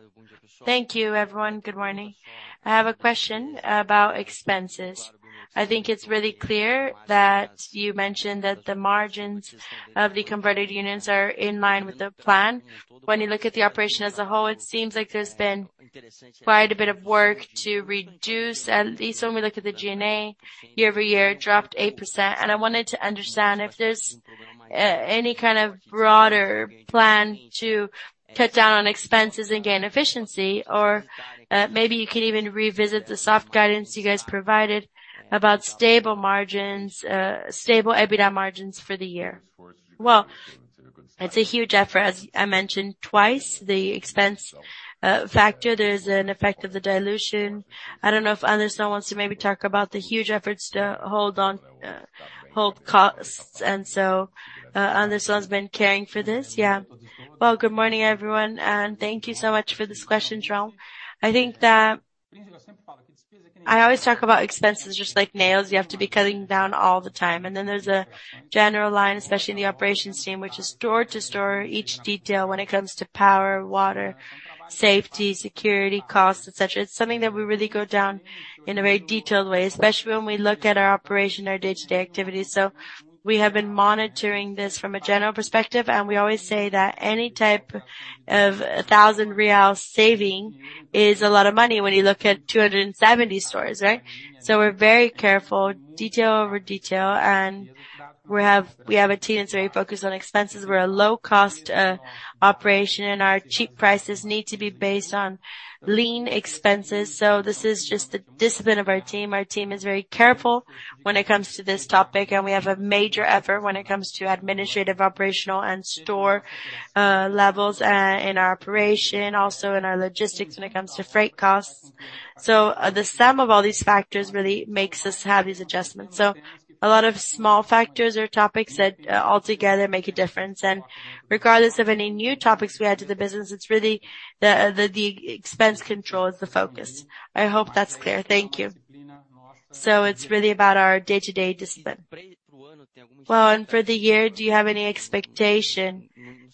Thank you, everyone. Good morning. I have a question about expenses. I think it's really clear that you mentioned that the margins of the converted units are in line with the plan. When you look at the operation as a whole, it seems like there's been quite a bit of work to reduce, at least when we look at the G&A, year-over-year, dropped 8%. I wanted to understand if there's any kind of broader plan to cut down on expenses and gain efficiency, or maybe you could even revisit the soft guidance you guys provided about stable margins, stable EBITDA margins for the year? Well, it's a huge effort. As I mentioned twice, the expense factor, there is an effect of the dilution. I don't know if Anderson wants to maybe talk about the huge efforts to hold on, hold costs, Anderson has been caring for this. Yeah. Good morning, everyone, and thank you so much for this question, Jerome. I think that I always talk about expenses just like nails. You have to be cutting down all the time. There's a general line, especially in the operations team, which is store to store, each detail when it comes to power, water, safety, security, costs, et cetera. It's something that we really go down in a very detailed way, especially when we look at our operation, our day-to-day activities. We have been monitoring this from a general perspective, and we always say that any type of a 1,000 real saving is a lot of money when you look at 270 stores, right? We're very careful, detail over detail, and we have a team that's very focused on expenses. We're a low-cost operation, and our cheap prices need to be based on lean expenses. This is just the discipline of our team. Our team is very careful when it comes to this topic, and we have a major effort when it comes to administrative, operational, and store levels in our operation, also in our logistics when it comes to freight costs. The sum of all these factors really makes us have these adjustments. A lot of small factors or topics that altogether make a difference. Regardless of any new topics we add to the business, it's really the expense control is the focus. I hope that's clear. Thank you. It's really about our day-to-day discipline. For the year, do you have any expectation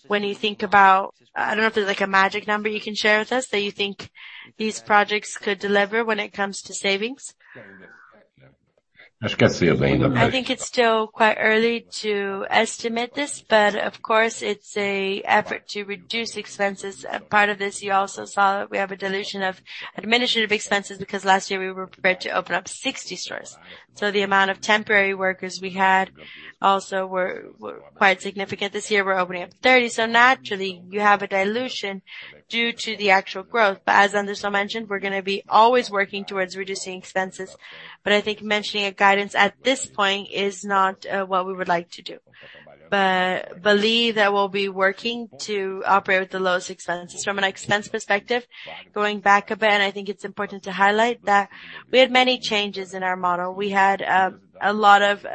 when you think about? I don't know if there's, like, a magic number you can share with us, that you think these projects could deliver when it comes to savings? I think it's still quite early to estimate this, but of course, it's a effort to reduce expenses. Part of this, you also saw that we have a dilution of administrative expenses, because last year we were prepared to open up 60 stores. The amount of temporary workers we had also were quite significant. This year, we're opening up 30. Naturally, you have a dilution due to the actual growth. As Anderson mentioned, we're gonna be always working towards reducing expenses. I think mentioning a guidance at this point is not what we would like to do. Believe that we'll be working to operate with the lowest expenses. From an expense perspective, going back a bit, and I think it's important to highlight that we had many changes in our model. We had a lot of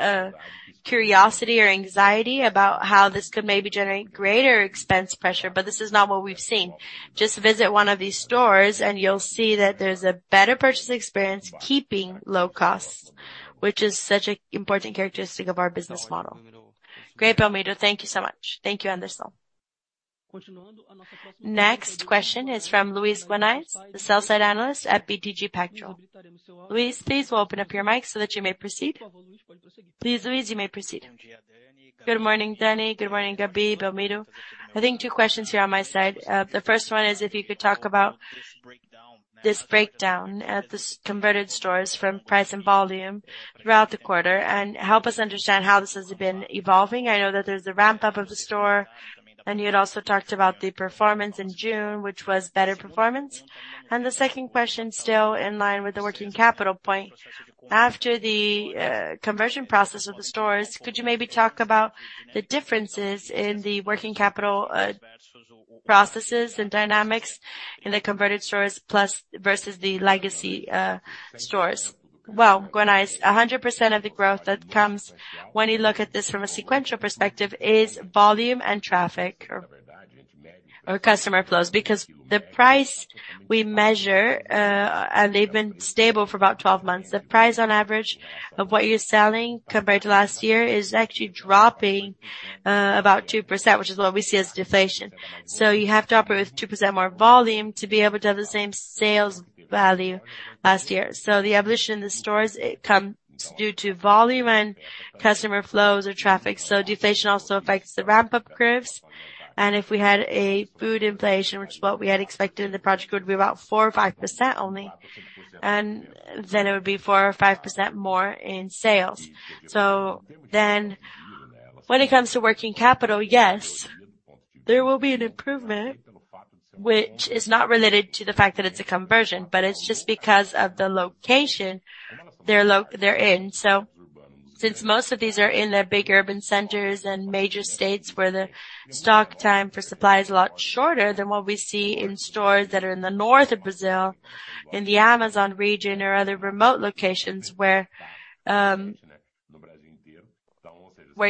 curiosity or anxiety about how this could maybe generate greater expense pressure, but this is not what we've seen. Just visit one of these stores, and you'll see that there's a better purchase experience, keeping low costs, which is such an important characteristic of our business model. Great, Belmiro. Thank you so much. Thank you, Anderson. Next question is from Luiz Guanais, the sell-side Analyst at BTG Pactual. Luis, please, we'll open up your mic so that you may proceed. Please, Luiz, you may proceed. Good morning, Danny. Good morning, Gabi, Belmiro. I think two questions here on my side. The first one is, if you could talk about this breakdown at the converted stores from price and volume throughout the quarter, and help us understand how this has been evolving. I know that there's a ramp-up of the store, and you had also talked about the performance in June, which was better performance. The second question, still in line with the working capital point, after the conversion process of the stores, could you maybe talk about the differences in the working capital processes and dynamics in the converted stores, plus versus the legacy stores? Well, Guanais, 100% of the growth that comes when you look at this from a sequential perspective is volume and traffic or customer flows. Because the price we measure, and they've been stable for about 12 months, the price on average of what you're selling compared to last year, is actually dropping, about 2%, which is what we see as deflation. You have to operate with 2% more volume to be able to have the same sales value last year. The evolution in the stores, it comes due to volume and customer flows or traffic. Deflation also affects the ramp-up curves, and if we had a food inflation, which is what we had expected, and the project would be about 4% or 5% only, and then it would be 4% or 5% more in sales. When it comes to working capital, yes, there will be an improvement, which is not related to the fact that it's a conversion, but it's just because of the location they're in. Since most of these are in the big urban centers and major states, where the stock time for supply is a lot shorter than what we see in stores that are in the north of Brazil, in the Amazon region or other remote locations, where you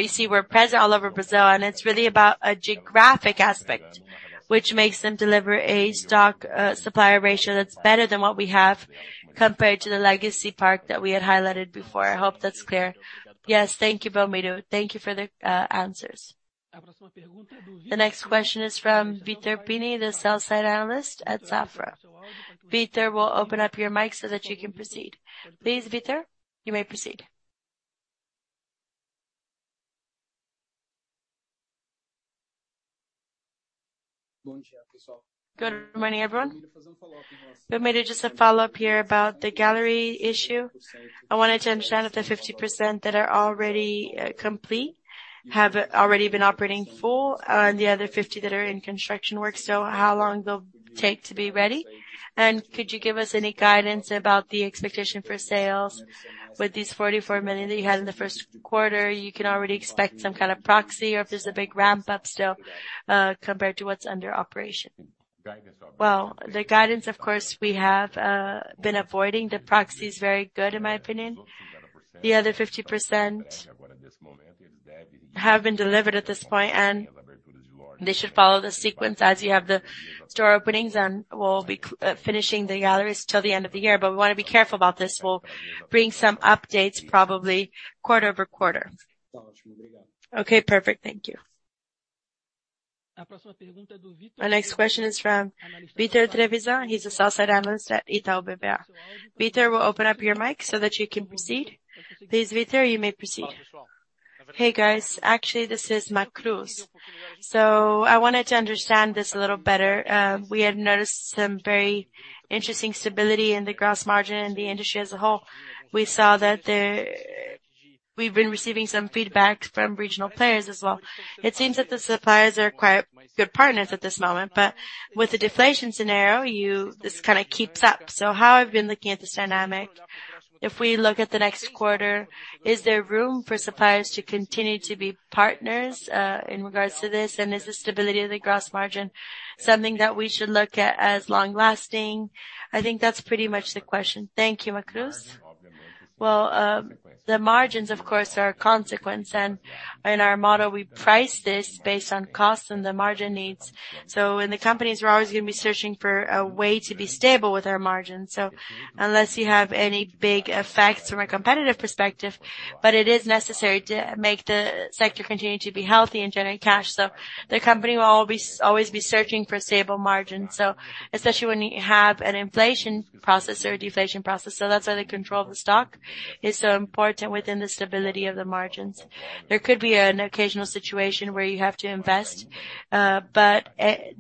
see we're present all over Brazil, and it's really about a geographic aspect, which makes them deliver a stock supplier ratio that's better than what we have compared to the legacy part that we had highlighted before. I hope that's clear. Thank you, Belmiro. Thank you for the answers. The next question is from Vitor Pini, the sell side analyst at Safra. Vitor, we'll open up your mic so that you can proceed. Please, Vitor, you may proceed. Good morning, everyone. Belmiro, just a follow-up here about the gallery issue. I wanted to understand if the 50% that are already complete, have already been operating full, and the other 50 that are in construction work, so how long they'll take to be ready? Could you give us any guidance about the expectation for sales with these 44 million that you had in the first quarter? You can already expect some kind of proxy or if there's a big ramp-up still, compared to what's under operation. The guidance, of course, we have been avoiding. The proxy is very good, in my opinion. The other 50% have been delivered at this point. They should follow the sequence as you have the store openings, and we'll be finishing the galleries till the end of the year. We want to be careful about this. We'll bring some updates, probably quarter-over-quarter. Okay, perfect. Thank you. The next question is from Vitor Trevisan. He's a sell-side analyst at Itaú BBA. Vitor, we'll open up your mic so that you can proceed. Please, Vitor, you may proceed. Hey, guys. Actually, this is Macruz. I wanted to understand this a little better. We had noticed some very interesting stability in the gross margin and the industry as a whole. We saw that. We've been receiving some feedback from regional players as well. It seems that the suppliers are quite good partners at this moment, with the deflation scenario, this kind of keeps up. How I've been looking at this dynamic, if we look at the next quarter, is there room for suppliers to continue to be partners in regards to this? Is the stability of the gross margin something that we should look at as long-lasting? I think that's pretty much the question. Thank you, Macruz. The margins, of course, are a consequence, and in our model, we price this based on cost and the margin needs. When the companies are always going to be searching for a way to be stable with our margins, unless you have any big effects from a competitive perspective, it is necessary to make the sector continue to be healthy and generate cash. The company will always, always be searching for stable margins, so especially when you have an inflation process or a deflation process. That's why the control of the stock is so important within the stability of the margins. There could be an occasional situation where you have to invest, but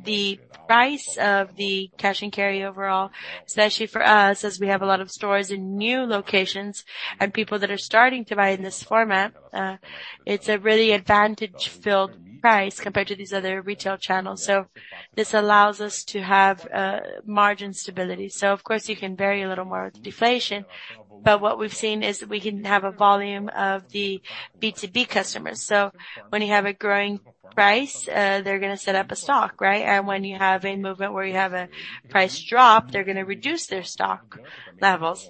the price of the cash and carry overall, especially for us, as we have a lot of stores in new locations and people that are starting to buy in this format, it's a really advantage-filled price compared to these other retail channels. This allows us to have margin stability. Of course, you can vary a little more with deflation, but what we've seen is that we can have a volume of the B2B customers. When you have a growing price, they're gonna set up a stock, right? When you have a movement where you have a price drop, they're gonna reduce their stock levels.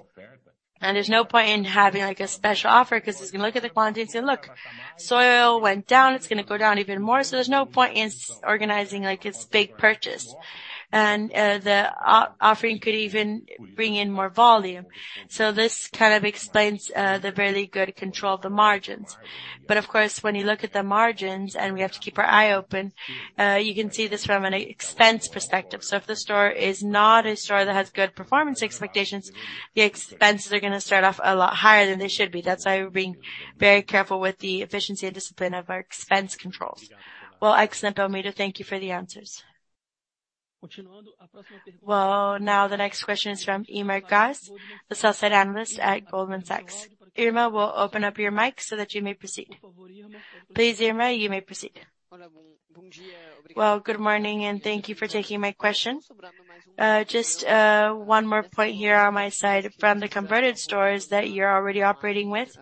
There's no point in having, like, a special offer because you can look at the quantity and say, "Look, soil went down, it's gonna go down even more." There's no point in organizing, like, this big purchase. The offering could even bring in more volume. This kind of explains the very good control of the margins. Of course, when you look at the margins, and we have to keep our eye open, you can see this from an expense perspective. If the store is not a store that has good performance expectations, the expenses are gonna start off a lot higher than they should be. That's why we're being very careful with the efficiency and discipline of our expense controls. Excellent, Belmiro. Thank you for the answers. Now the next question is from Irma Sgarz, the sell side analyst at Goldman Sachs. Irma, we'll open up your mic so that you may proceed. Please, Irma, you may proceed. Good morning, and thank you for taking my question. just one more point here on my side. From the converted stores that you're already operating with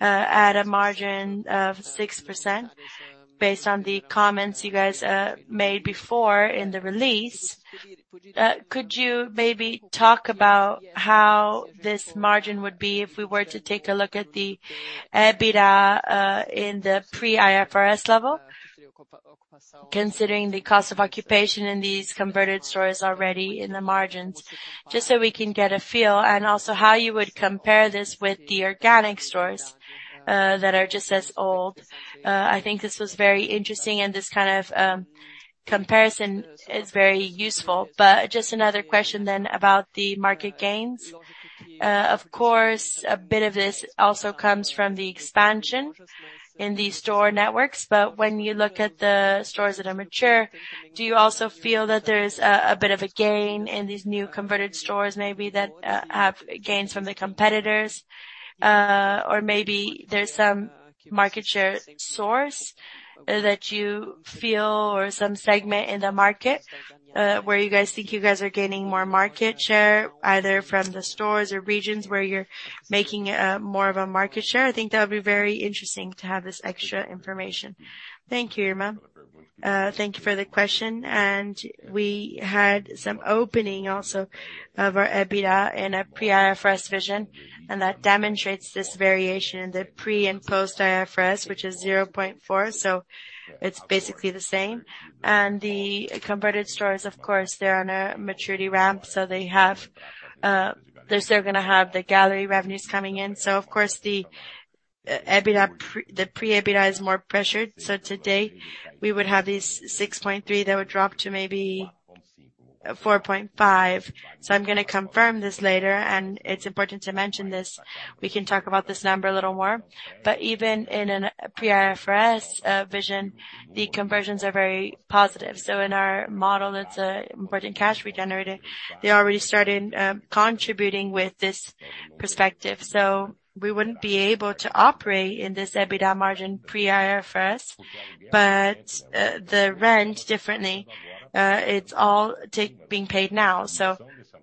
at a margin of 6%, based on the comments you guys made before in the release, could you maybe talk about how this margin would be if we were to take a look at the EBITDA in the pre-IFRS level? Considering the cost of occupation in these converted stores already in the margins, just so we can get a feel, also how you would compare this with the organic stores that are just as old. I think this was very interesting, and this kind of comparison is very useful. Just another question then about the market gains. Of course, a bit of this also comes from the expansion in the store networks, but when you look at the stores that are mature, do you also feel that there's a bit of a gain in these new converted stores, maybe that have gains from the competitors? Maybe there's some market share source that you feel or some segment in the market, where you guys think you guys are gaining more market share, either from the stores or regions where you're making more of a market share? I think that would be very interesting to have this extra information. Thank you, Irma. Thank you for the question, we had some opening also of our EBITDA in a pre-IFRS vision, and that demonstrates this variation in the pre and post IFRS, which is 0.4. It's basically the same. The converted stores, of course, they're on a maturity ramp, so they have, they're still gonna have the gallery revenues coming in. Of course, the EBITDA, the pre-EBITDA is more pressured. Today, we would have these 6.3, that would drop to maybe 4.5. I'm gonna confirm this later, and it's important to mention this. We can talk about this number a little more, but even in a pre-IFRS vision, the conversions are very positive. In our model, it's an important cash we generated. They already started contributing with this perspective. We wouldn't be able to operate in this EBITDA margin pre-IFRS, but the rent differently, it's all being paid now.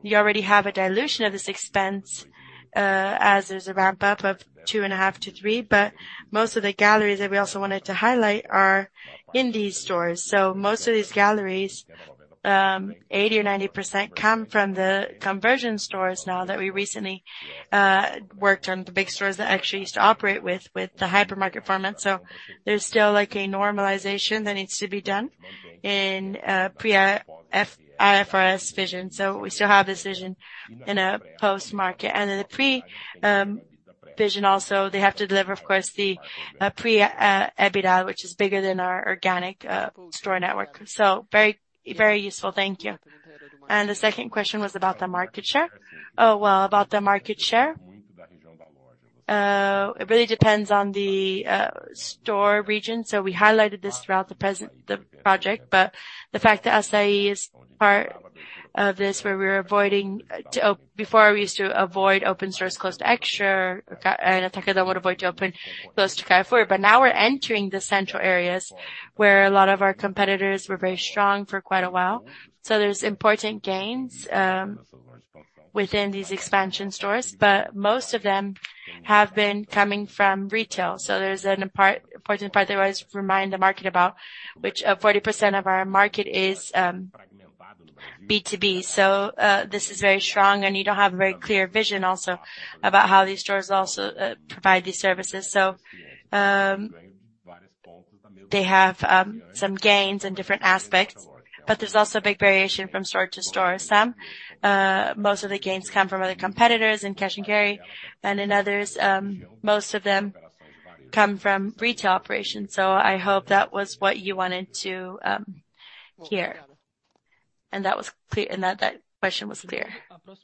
You already have a dilution of this expense, as there's a ramp up of 2.5-3. Most of the galleries that we also wanted to highlight are in these stores. Most of these galleries, 80% or 90% come from the conversion stores now that we recently worked on the big stores that actually used to operate with the hypermarket format. There's still like a normalization that needs to be done in pre-IFRS vision. We still have this vision in a post-market. The pre vision also, they have to deliver, of course, the pre EBITDA, which is bigger than our organic store network. Very, very useful. Thank you. The second question was about the market share? Well, about the market share. It really depends on the store region. We highlighted this throughout the project, but the fact that Assaí is part of this, where we're avoiding before we used to avoid open source, close to Extra, and Atacadão would avoid to open close to Carrefour. Now we're entering the central areas, where a lot of our competitors were very strong for quite a while. There's important gains within these expansion stores, but most of them have been coming from retail. There's an important part that was remind the market about which 40% of our market is B2B. This is very strong, and you don't have a very clear vision also, about how these stores also provide these services. They have some gains in different aspects, but there's also a big variation from store to store. Some, most of the gains come from other competitors in Cash & Carry, and in others, most of them come from retail operations. I hope that was what you wanted to hear, and that was clear, and that question was clear. The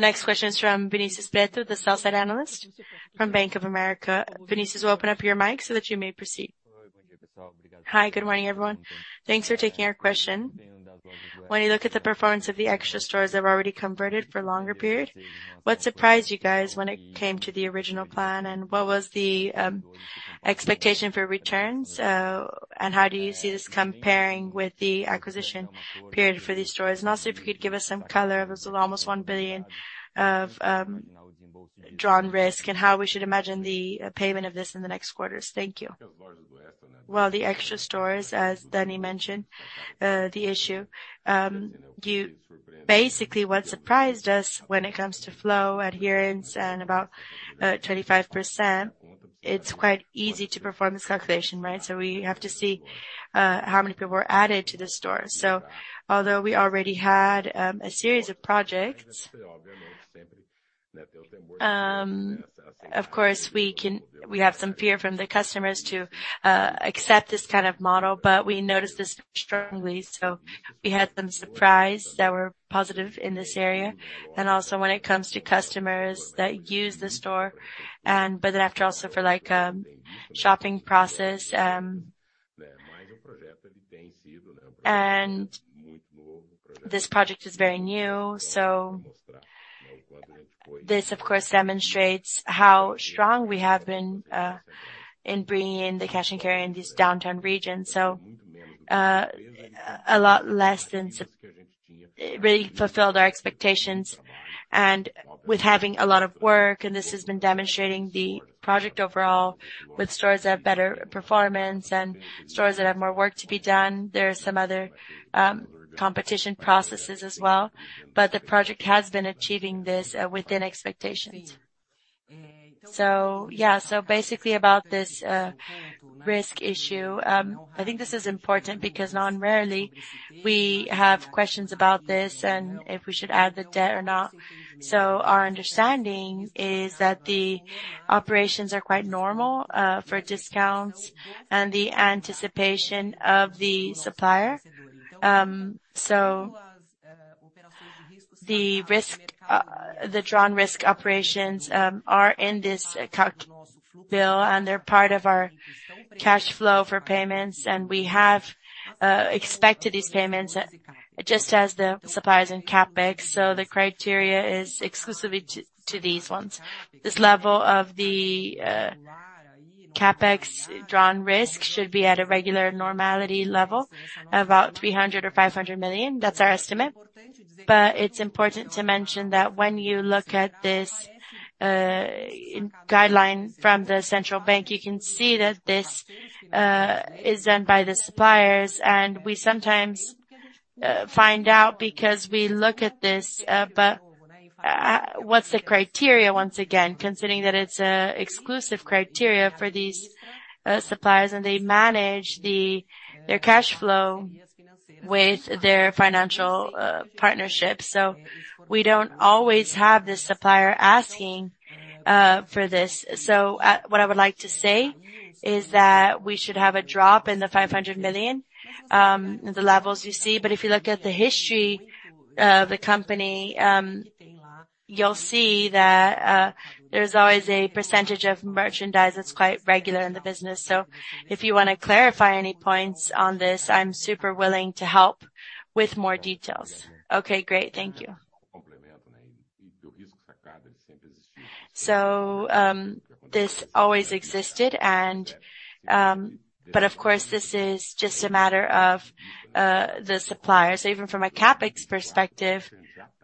next question is from Vinicius Preto, the sell side analyst from Bank of America. Vinicius, we'll open up your mic so that you may proceed. Hi, good morning, everyone. Thanks for taking our question. When you look at the performance of the Extra stores that have already converted for longer period, what surprised you guys when it came to the original plan? What was the expectation for returns? How do you see this comparing with the acquisition period for these stores? Also, if you could give us some color of this almost 1 billion of drawn risk, and how we should imagine the payment of this in the next quarters. Thank you. Well, the Extra stores, as Danny mentioned, the issue. You basically, what surprised us when it comes to flow, adherence, and about 25%, it's quite easy to perform this calculation, right? We have to see how many people were added to the store. Although we already had a series of projects, of course, we have some fear from the customers to accept this kind of model, but we noticed this strongly, so we had some surprise that were positive in this area. Also, when it comes to customers that use the store and, but then after also for, like, shopping process, and this project is very new. This, of course, demonstrates how strong we have been in bringing in the Cash & Carry in this downtown region. A lot less than it really fulfilled our expectations and with having a lot of work, and this has been demonstrating the project overall, with stores that have better performance and stores that have more work to be done. There are some other competition processes as well, but the project has been achieving this within expectations. Yeah, basically about this risk issue. I think this is important because nonrarely, we have questions about this and if we should add the debt or not. Our understanding is that the operations are quite normal for discounts and the anticipation of the supplier. The risk, the drawn risk operations, are in this calc bill, and they're part of our cash flow for payments, and we have expected these payments just as the suppliers in CapEx. The criteria is exclusively to these ones. This level of the CapEx drawn risk should be at a regular normality level, about $300 million-$500 million. That's our estimate. It's important to mention that when you look at this guideline from the central bank, you can see that this is done by the suppliers, and we sometimes find out because we look at this, what's the criteria, once again, considering that it's exclusive criteria for these suppliers, and they manage their cash flow with their financial partnership. We don't always have the supplier asking for this. What I would like to say is that we should have a drop in the 500 million, the levels you see. If you look at the history of the company, you'll see that there's always a percentage of merchandise that's quite regular in the business. If you wanna clarify any points on this, I'm super willing to help with more details. Okay, great. Thank you. This always existed, but of course, this is just a matter of the suppliers. Even from a CapEx perspective,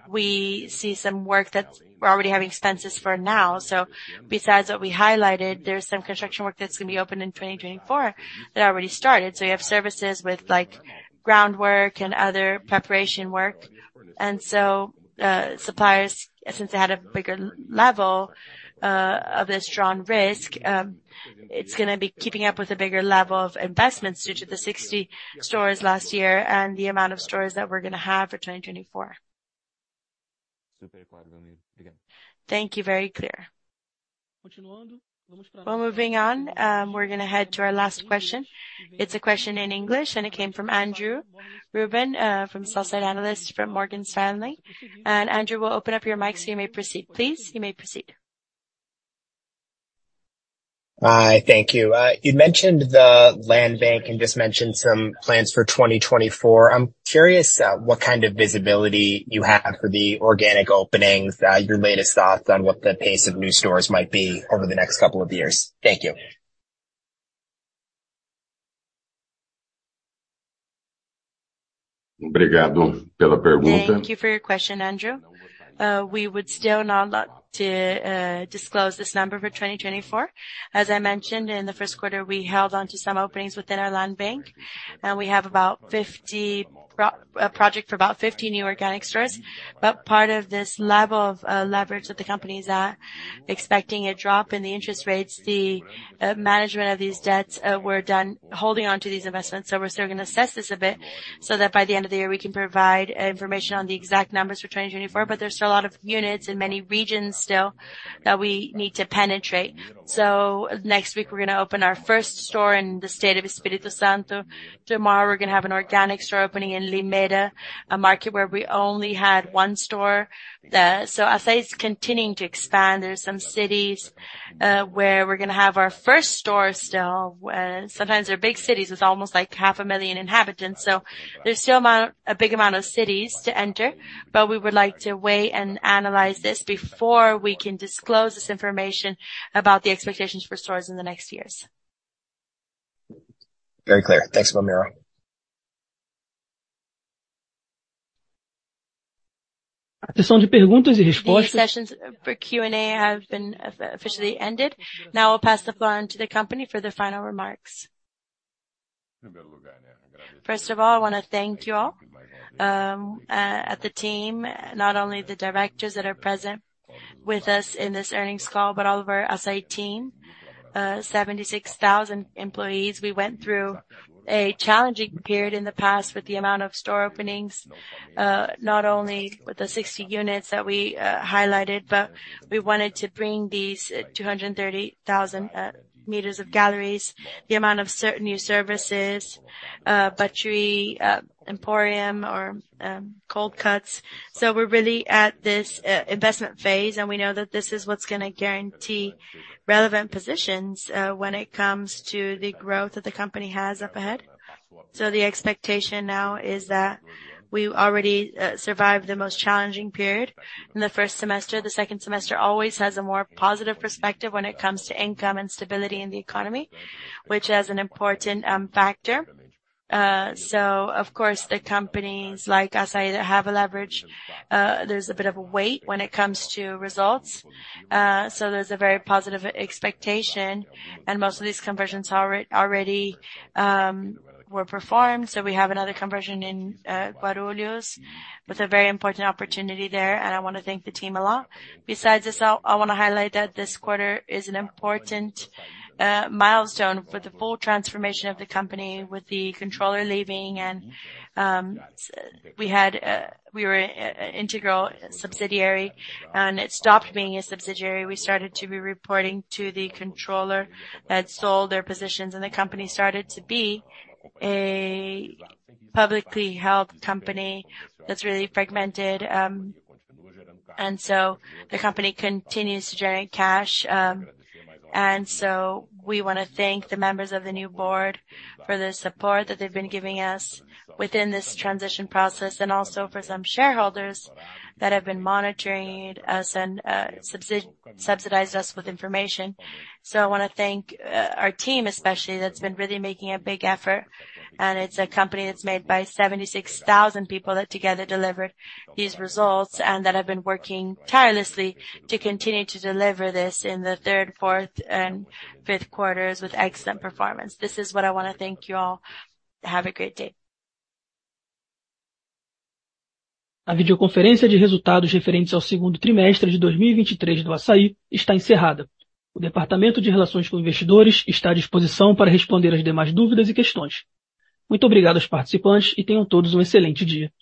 we see some work that we're already having expenses for now. Besides what we highlighted, there's some construction work that's gonna be open in 2024 that already started. We have services with, like, groundwork and other preparation work. Suppliers, since they had a bigger level of this drawn risk, it's gonna be keeping up with a bigger level of investments due to the 60 stores last year and the amount of stores that we're gonna have for 2024. Thank you. Very clear. Well, moving on, we're gonna head to our last question. It's a question in English, and it came from Andrew Ruben, from sell-side analyst from Morgan Stanley. Andrew, we'll open up your mic, so you may proceed. Please, you may proceed. Hi, thank you. You mentioned the land bank, and just mentioned some plans for 2024. I'm curious, what kind of visibility you have for the organic openings, your latest thoughts on what the pace of new stores might be over the next couple of years? Thank you. Thank you for your question, Andrew. we would still not like to disclose this number for 2024. As I mentioned in the first quarter, we held on to some openings within our land bank, and we have about 50 project for about 50 new organic stores. Part of this level of leverage that the company is expecting a drop in the interest rates, the management of these debts, we're done holding on to these investments. we're still gonna assess this a bit, so that by the end of the year, we can provide information on the exact numbers for 2024. There's still a lot of units in many regions still that we need to penetrate. next week, we're gonna open our first store in the state of Espírito Santo. Tomorrow, we're gonna have an organic store opening in Limeira, a market where we only had one store. Assaí is continuing to expand. There's some cities where we're gonna have our first store still. Sometimes they're big cities, it's almost like half a million inhabitants. There's still a big amount of cities to enter, but we would like to wait and analyze this before we can disclose this information about the expectations for stores in the next years. Very clear. Thanks, Romero. The sessions for Q&A have been officially ended. I'll pass the floor on to the company for the final remarks. First of all, I wanna thank you all at the team, not only the directors that are present with us in this earnings call, but all of our Assaí team, 76,000 employees. We went through a challenging period in the past with the amount of store openings, not only with the 60 units that we highlighted, but we wanted to bring these 230,000 meters of galleries, the amount of certain new services, butchery, emporium, or cold cuts. We're really at this investment phase, and we know that this is what's gonna guarantee relevant positions when it comes to the growth that the company has up ahead. The expectation now is that we already survived the most challenging period in the first semester. The second semester always has a more positive perspective when it comes to income and stability in the economy, which is an important factor. Of course, the companies like Assaí that have a leverage, there's a bit of a weight when it comes to results. There's a very positive expectation, and most of these conversions are already performed. We have another conversion in Guarulhos, with a very important opportunity there, and I wanna thank the team a lot. Besides this, I wanna highlight that this quarter is an important milestone for the full transformation of the company with the controller leaving. We had, we were an integral subsidiary, and it stopped being a subsidiary. We started to be reporting to the controller that sold their positions. The company started to be a publicly held company that's really fragmented. The company continues to generate cash. We wanna thank the members of the new board for the support that they've been giving us within this transition process. Also for some shareholders that have been monitoring us and subsidized us with information. I wanna thank our team, especially, that's been really making a big effort. It's a company that's made by 76,000 people that together delivered these results. That have been working tirelessly to continue to deliver this in the third, fourth, and fifth quarters with excellent performance. This is what I wanna thank you all. Have a great day. A videoconference de resultados referentes ao segundo trimestre de 2023 do Assaí está encerrada. O Departamento de Relações com Investidores está à disposição para responder as demais dúvidas e questões. Muito obrigada aos participantes e tenham todos um excelente dia!